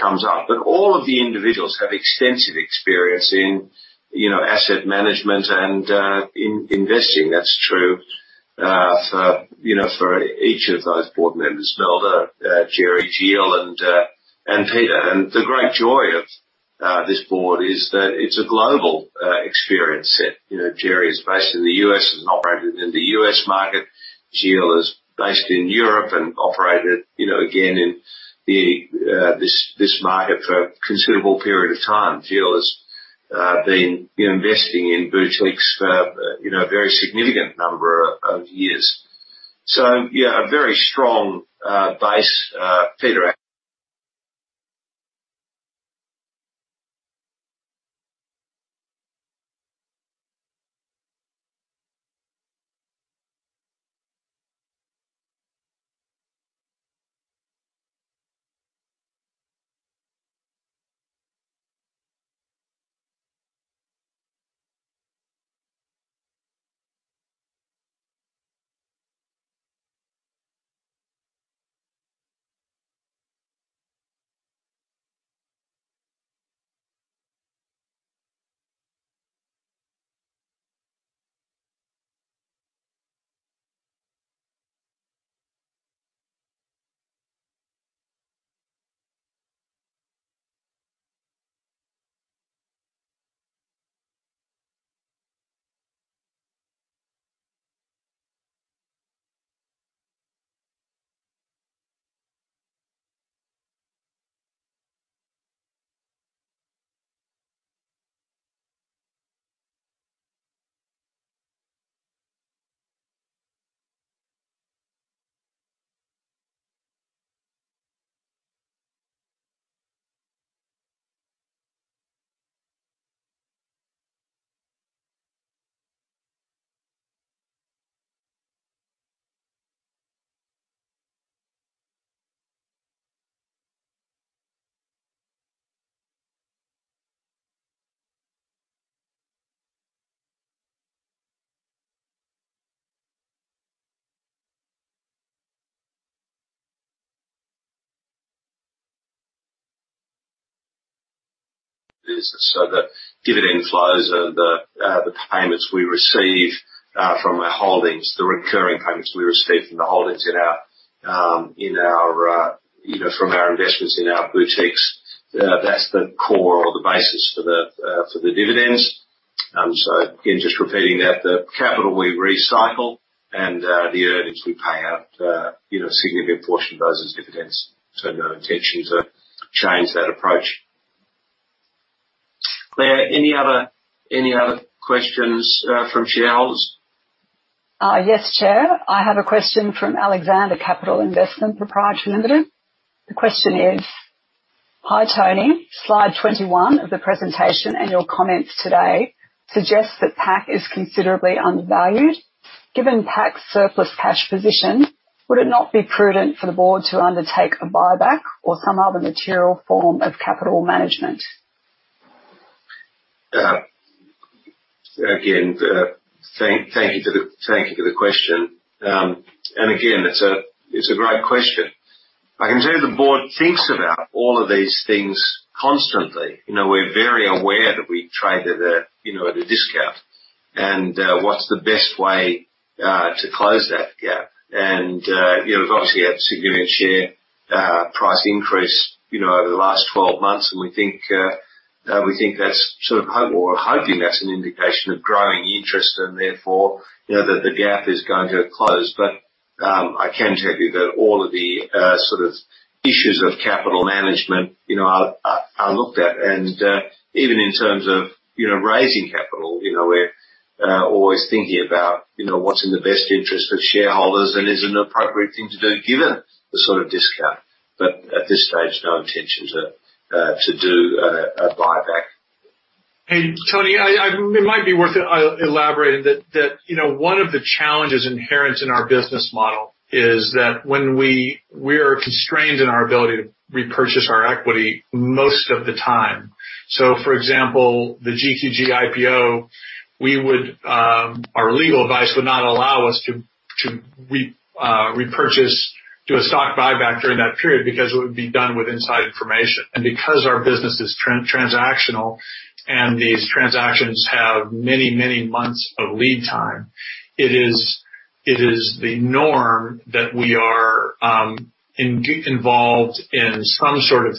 comes up. All of the individuals have extensive experience in, you know, asset management and investing. That's true for each of those board members, Mel, Gerry, Gilles, and Peter. The great joy of this board is that it's a global experience set. You know, Gerry is based in the U.S. and operated in the U.S. market. Gilles is based in Europe and operated you know again in this market for a considerable period of time. Gilles has been investing in boutiques for you know a very significant number of years. Yeah a very strong base. Peter, a business. The dividend flows and the payments we receive from our holdings, the recurring payments we receive from the holdings you know from our investments in our boutiques, that's the core or the basis for the dividends. Again just repeating that the capital we recycle and the earnings we pay out you know a significant portion of those as dividends. No intention to change that approach. Clare, any other questions from shareholders? Yes, Chair. I have a question from Alexander Capital Investment Pty. Ltd. The question is: Hi, Tony. Slide 21 of the presentation and your comments today suggests that PAC is considerably undervalued. Given PAC's surplus cash position, would it not be prudent for the board to undertake a buyback or some other material form of capital management? Thank you to the question. Again, it's a great question. I can tell you the board thinks about all of these things constantly. You know, we're very aware that we trade at a you know, at a discount and what's the best way to close that gap. You know, we've obviously had a significant share price increase you know, over the last 12 months, and we think that's sort of hoping that's an indication of growing interest and therefore, you know, that the gap is going to close. I can tell you that all of the sort of issues of capital management you know, are looked at. Even in terms of, you know, raising capital, you know, we're always thinking about, you know, what's in the best interest of shareholders and is an appropriate thing to do given the sort of discount. At this stage, no intention to do a buyback. Hey, Tony. It might be worth it. I'll elaborate that, you know, one of the challenges inherent in our business model is that when we're constrained in our ability to repurchase our equity most of the time. For example, the GQG IPO, our legal advice would not allow us to repurchase, do a stock buyback during that period because it would be done with inside information. Because our business is transactional and these transactions have many months of lead time, it is the norm that we are involved in some sort of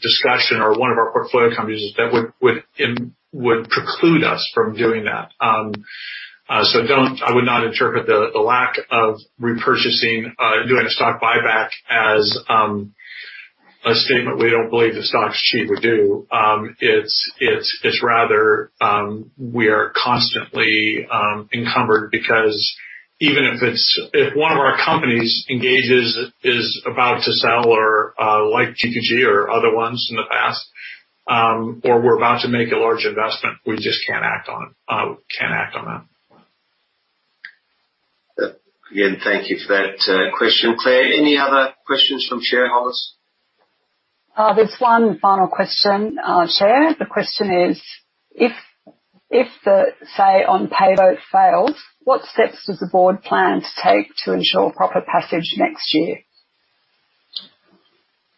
discussion or one of our portfolio companies that would preclude us from doing that. So don't, I would not interpret the lack of repurchasing, doing a stock buyback as a statement we don't believe the stock's cheap or due. It's rather we are constantly encumbered because even if one of our companies is about to sell, like GQG or other ones in the past, or we're about to make a large investment, we just can't act on that. Again, thank you for that, question, Clare. Any other questions from shareholders? There's one final question, Chair. The question is: If the say on pay vote fails, what steps does the board plan to take to ensure proper passage next year?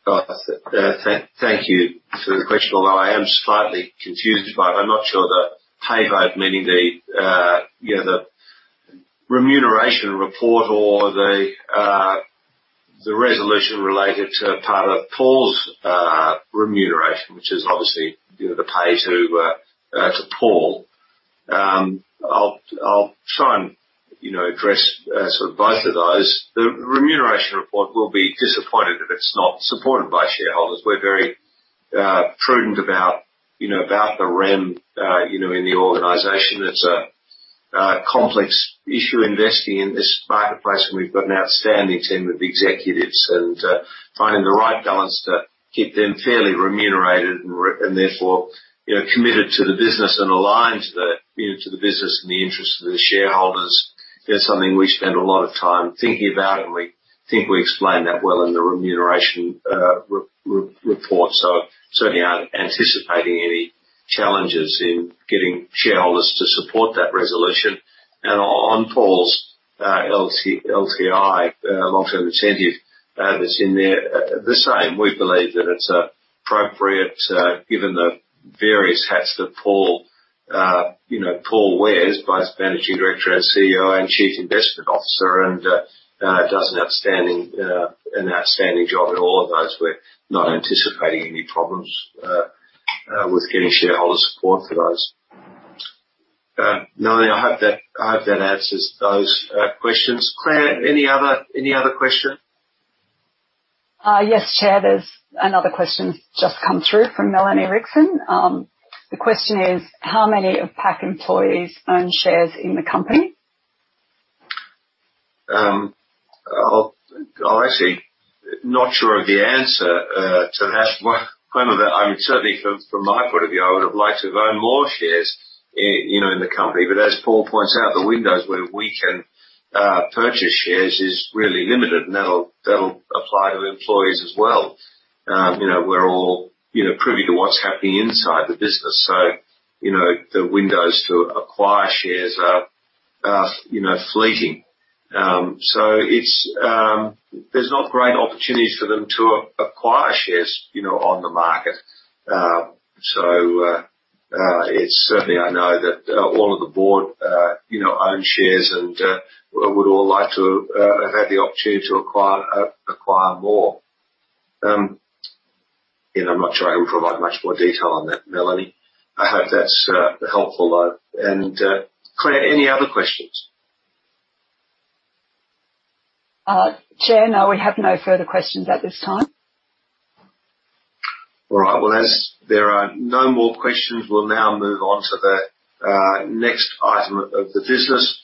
Thank you for the question, although I am slightly confused by it. I'm not sure the pay vote meaning the, you know, the remuneration report or the resolution related to part of Paul's remuneration, which is obviously, you know, the pay to Paul. I'll try and, you know, address sort of both of those. The remuneration report will be disappointed if it's not supported by shareholders. We're very prudent about, you know, about the remuneration in the organization. It's a complex issue investing in this marketplace, and we've got an outstanding team of executives and finding the right balance to keep them fairly remunerated and therefore, you know, committed to the business and aligned to the, you know, to the business and the interest of the shareholders is something we spend a lot of time thinking about. We think we explain that well in the Remuneration Report. Certainly aren't anticipating any challenges in getting shareholders to support that resolution. On Paul's LTI, long-term incentive, that's in there, the same. We believe that it's appropriate, given the various hats that Paul, you know, Paul wears, Vice Managing Director and CEO and Chief Investment Officer, and does an outstanding job in all of those. We're not anticipating any problems with getting shareholder support for those. No, I hope that answers those questions. Clare, any other question? Yes, Chair. There's another question that's just come through from Melanie Rickson. The question is, "How many of PAC employees own shares in the company? Not sure of the answer to that one. Clare, I mean, certainly from my point of view, I would have liked to have owned more shares in the company. But as Paul points out, the windows where we can purchase shares is really limited, and that'll apply to employees as well. You know, we're all privy to what's happening inside the business so the windows to acquire shares are fleeting. So it's. There's not great opportunities for them to acquire shares, you know, on the market. So it's certainly I know that all of the board own shares and would all like to have had the opportunity to acquire more. You know, I'm not sure I can provide much more detail on that, Melanie. I hope that's helpful, though. Clare, any other questions? Chair, no, we have no further questions at this time. All right. Well, as there are no more questions, we'll now move on to the next item of the business.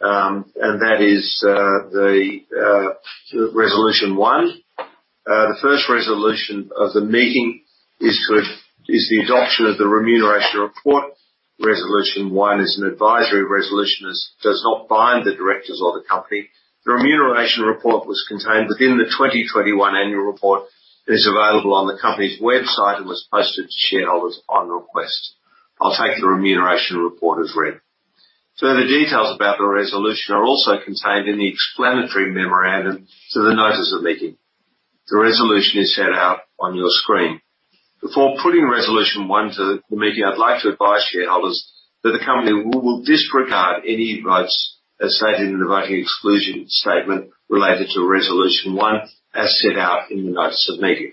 That is Resolution 1. The first resolution of the meeting is the adoption of the remuneration report. Resolution one is an advisory resolution, does not bind the directors or the company. The remuneration report was contained within the 2021 annual report, is available on the company's website and was posted to shareholders upon request. I'll take the remuneration report as read. Further details about the resolution are also contained in the explanatory memorandum to the notice of meeting. The resolution is set out on your screen. Before putting resolution one to the meeting, I'd like to advise shareholders that the company will disregard any votes, as stated in the voting exclusion statement related to resolution one, as set out in the notice of meeting.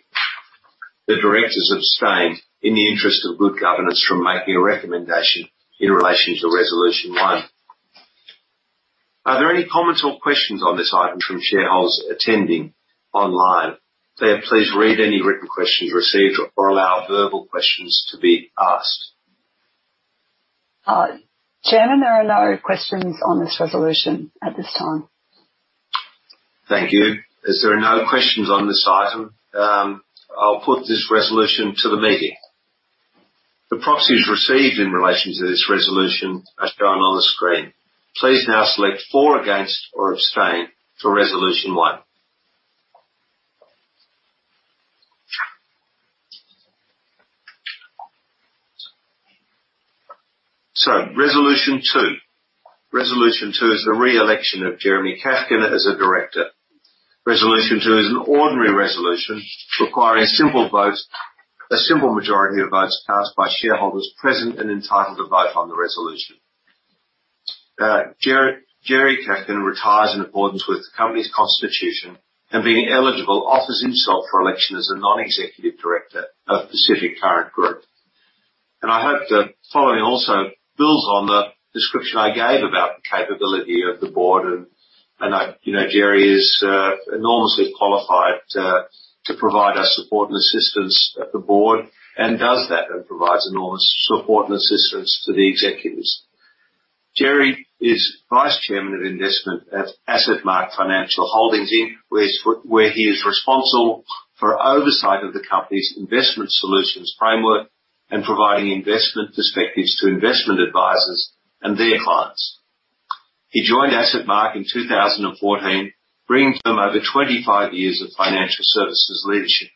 The directors abstained in the interest of good governance from making a recommendation in relation to resolution one. Are there any comments or questions on this item from shareholders attending online? Clare, please read any written questions received or allow verbal questions to be asked. Chairman, there are no questions on this resolution at this time. Thank you. As there are no questions on this item, I'll put this resolution to the meeting. The proxies received in relation to this resolution are shown on the screen. Please now select for, against, or abstain for resolution one. Resolution two. Resolution two is the re-election of Jeremiah Chafkin as a director. Resolution two is an ordinary resolution requiring simple vote, a simple majority of votes cast by shareholders present and entitled to vote on the resolution. Jeremiah Chafkin retires in accordance with the company's constitution and being eligible offers himself for election as a non-executive director of Pacific Current Group. I hope the following also builds on the description I gave about the capability of the board and I, you know, Jerry is enormously qualified to provide us support and assistance at the board and does that and provides enormous support and assistance to the executives. Jerry is Vice Chairman of Investment at AssetMark Financial Holdings, Inc., where he is responsible for oversight of the company's investment solutions framework and providing investment perspectives to investment advisors and their clients. He joined AssetMark in 2014, bringing to them over 25 years of financial services leadership.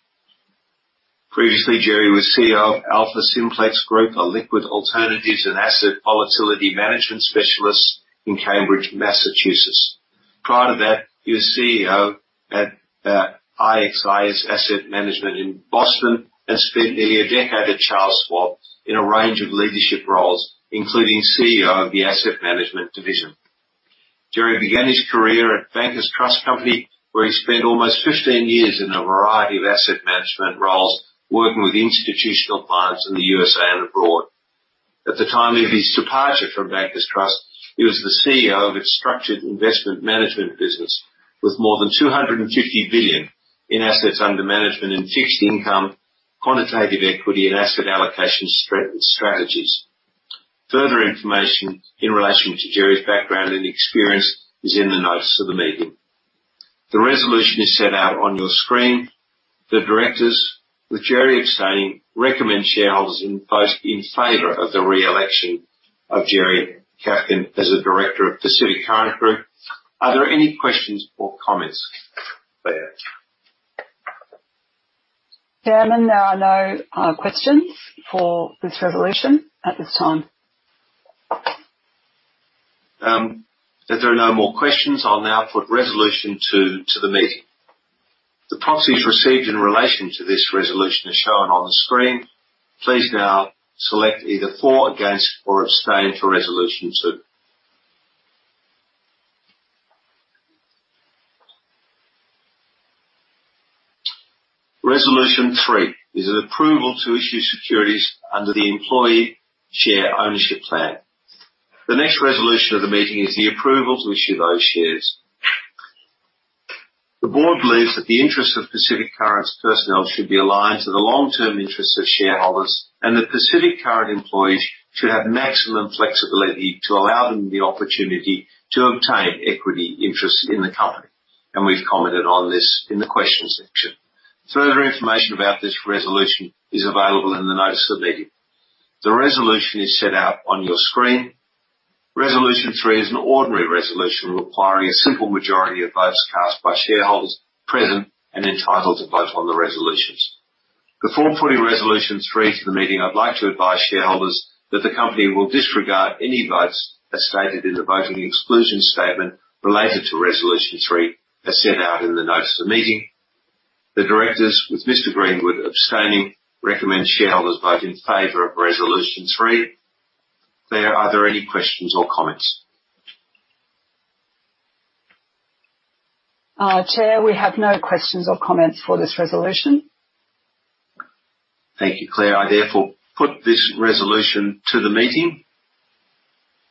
Previously, Jerry was CEO of AlphaSimplex Group, a liquid alternatives and asset volatility management specialist in Cambridge, Massachusetts. Prior to that, he was CEO at IXIS Asset Management in Boston, has spent nearly a decade at Charles Schwab in a range of leadership roles, including CEO of the asset management division. Jeremiah began his career at Bankers Trust Company, where he spent almost 15 years in a variety of asset management roles, working with institutional clients in the U.S.A. and abroad. At the time of his departure from Bankers Trust, he was the CEO of its structured investment management business with more than $250 billion in assets under management in fixed income, quantitative equity and asset allocation strategies. Further information in relation to Jeremiah's background and experience is in the notice of the meeting. The resolution is set out on your screen. The directors, with Jeremiah abstaining, recommend that shareholders vote in favor of the re-election of Jeremiah Chafkin as a director of Pacific Current Group. Are there any questions or comments, Clare? Chairman, there are no questions for this resolution at this time. If there are no more questions, I'll now put resolution two to the meeting. The proxies received in relation to this resolution are shown on the screen. Please now select either for, against, or abstain for resolution two. Resolution three is an approval to issue securities under the employee share ownership plan. The next resolution of the meeting is the approval to issue those shares. The board believes that the interest of Pacific Current's personnel should be aligned to the long-term interests of shareholders, and that Pacific Current employees should have maximum flexibility to allow them the opportunity to obtain equity interest in the company. We've commented on this in the questions section. Further information about this resolution is available in the notice of meeting. The resolution is set out on your screen. Resolution three is an ordinary resolution requiring a simple majority of votes cast by shareholders present and entitled to vote on the resolutions. Before putting resolution three to the meeting, I'd like to advise shareholders that the company will disregard any votes, as stated in the voting exclusion statement related to resolution three, as set out in the notice of meeting. The directors, with Mr. Greenwood abstaining, recommend shareholders vote in favor of resolution three. Clare, are there any questions or comments? Chair, we have no questions or comments for this resolution. Thank you, Clare. I therefore put this resolution to the meeting.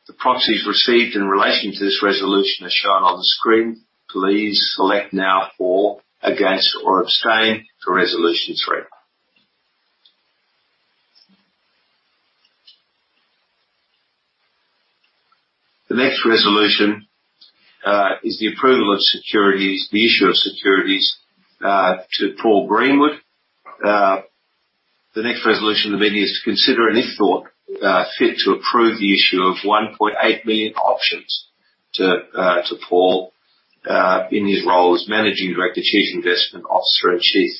The proxies received in relation to this resolution are shown on the screen. Please select now for, against, or abstain for Resolution three. The next resolution is the approval of securities, the issue of securities to Paul Greenwood. The next resolution of the meeting is to consider and if thought fit to approve the issue of 1.8 million options to Paul Greenwood in his role as Managing Director, Chief Investment Officer, and Chief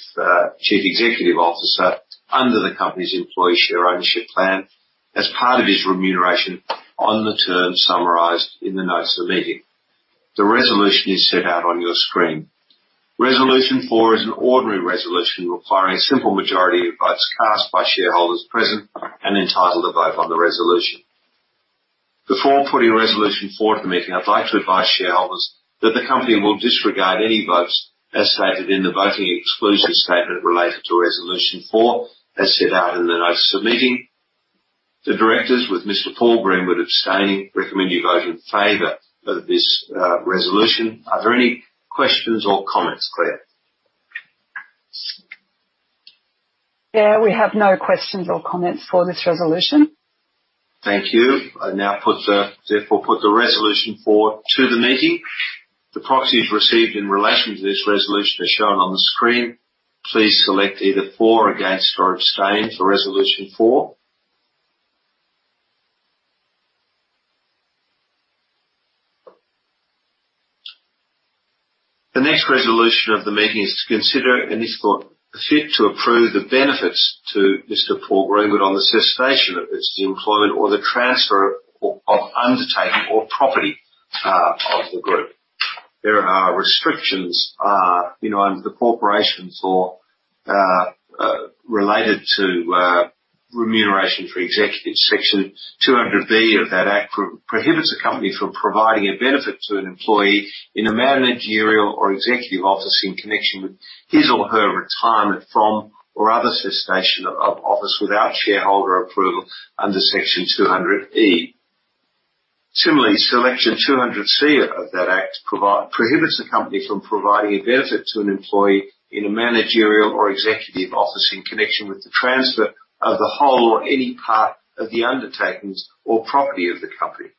Executive Officer under the company's employee share ownership plan as part of his remuneration on the terms summarized in the notice of meeting. The resolution is set out on your screen. Resolution four is an ordinary resolution requiring a simple majority of votes cast by shareholders present and entitled to vote on the resolution. Before putting resolution four to the meeting, I'd like to advise shareholders that the company will disregard any votes, as stated in the voting exclusion statement related to resolution four, as set out in the notice of meeting. The directors, with Mr. Paul Greenwood abstaining, recommend you vote in favor of this resolution. Are there any questions or comments, Clare? Yeah, we have no questions or comments for this resolution. Thank you. I now therefore put the resolution four to the meeting. The proxies received in relation to this resolution are shown on the screen. Please select either for, against, or abstain for Resolution four. The next resolution of the meeting is to consider and if thought fit to approve the benefits to Mr. Paul Greenwood on the cessation of his employment or the transfer of undertaking or property of the group. There are restrictions, you know, under the Corporations Act related to remuneration for executives. Section 200B of that act prohibits the company from providing a benefit to an employee in a managerial or executive office in connection with his or her retirement from or other cessation of office without shareholder approval under Section 200E. Similarly, Section 200C of that act prohibits the company from providing a benefit to an employee in a managerial or executive office in connection with the transfer of the whole or any part of the undertakings or property of the company.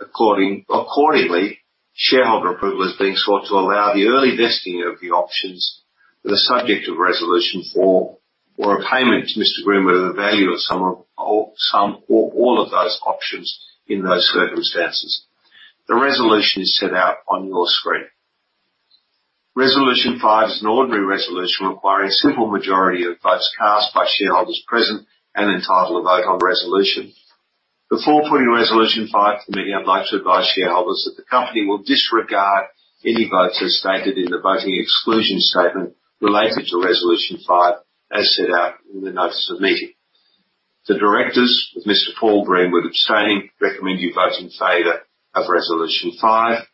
Accordingly, shareholder approval is being sought to allow the early vesting of the options that are subject to Resolution four or a payment to Mr. Greenwood of the value of some or all of those options in those circumstances. The resolution is set out on your screen. Resolution five is an ordinary resolution requiring a simple majority of votes cast by shareholders present and entitled to vote on the resolution. Before putting Resolution five to the meeting, I'd like to advise shareholders that the company will disregard any votes, as stated in the voting exclusion statement related to resolution five, as set out in the notice of meeting. The directors, with Mr. Paul Greenwood abstaining, recommend you vote in favor of resolution five.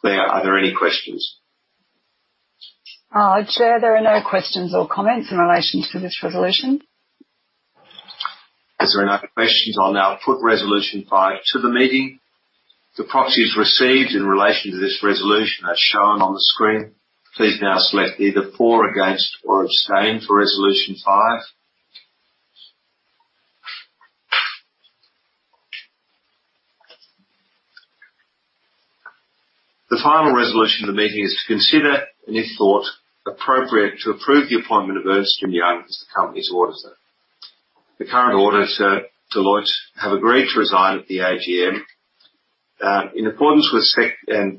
Clare, are there any questions? Chair, there are no questions or comments in relation to this resolution. As there are no questions, I'll now put Resolution five to the meeting. The proxies received in relation to this resolution are shown on the screen. Please now select either for, against, or abstain for resolution five. The final resolution of the meeting is to consider and if thought appropriate, to approve the appointment of Ernst & Young as the company's auditor. The current auditor, Deloitte, have agreed to resign at the AGM.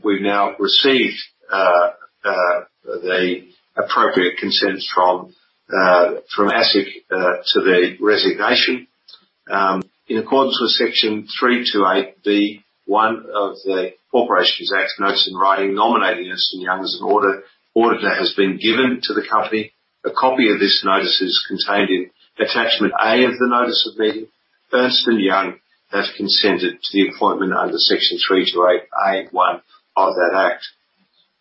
We've now received the appropriate consents from ASIC to the resignation. In accordance with Section 328B(1) of the Corporations Act, notice in writing nominating Ernst & Young as an auditor that has been given to the company. A copy of this notice is contained in attachment A of the notice of meeting. Ernst & Young have consented to the appointment under Section 328A(1) of that act.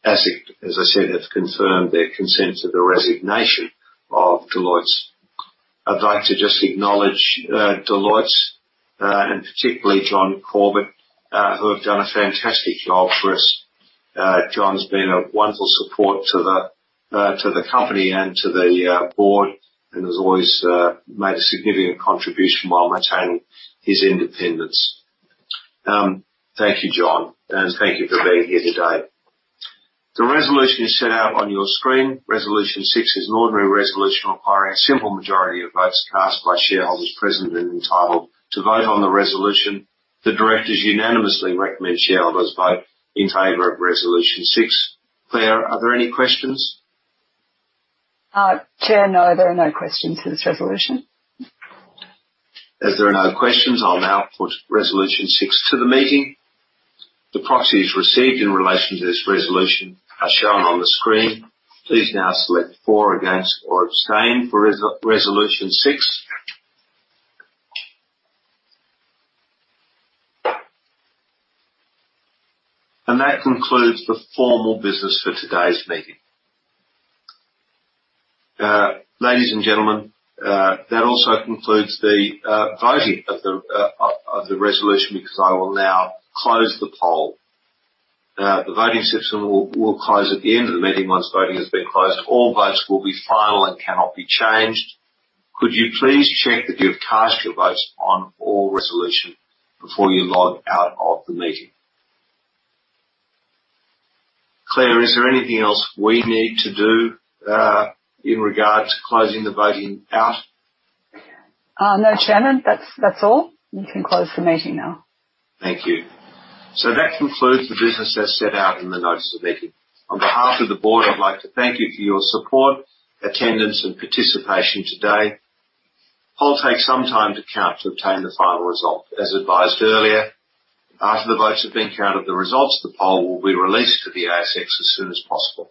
ASIC, as I said, have confirmed their consent to the resignation of Deloitte. I'd like to just acknowledge Deloitte and particularly Jon Corbett who have done a fantastic job for us. Jon's been a wonderful support to the company and to the board, and has always made a significant contribution while maintaining his independence. Thank you, Jon, and thank you for being here today. The resolution is set out on your screen. Resolution six is an ordinary resolution requiring a simple majority of votes cast by shareholders present and entitled to vote on the resolution. The directors unanimously recommend shareholders vote in favor of Resolution six. Clare, are there any questions? Chair? No, there are no questions for this resolution. As there are no questions, I'll now put Resolution six to the meeting. The proxies received in relation to this resolution are shown on the screen. Please now select for, against, or abstain for Resolution six. That concludes the formal business for today's meeting. Ladies and gentlemen, that also concludes the voting of the resolution because I will now close the poll. The voting system will close at the end of the meeting. Once voting has been closed, all votes will be final and cannot be changed. Could you please check that you have cast your votes on all resolution before you log out of the meeting. Clare, is there anything else we need to do in regards to closing the voting out? No, Chairman. That's all. You can close the meeting now. Thank you. That concludes the business as set out in the notice of meeting. On behalf of the board, I'd like to thank you for your support, attendance, and participation today. Poll takes some time to count to obtain the final result. As advised earlier, after the votes have been counted, the results of the poll will be released to the ASX as soon as possible.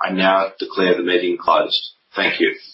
I now declare the meeting closed. Thank you.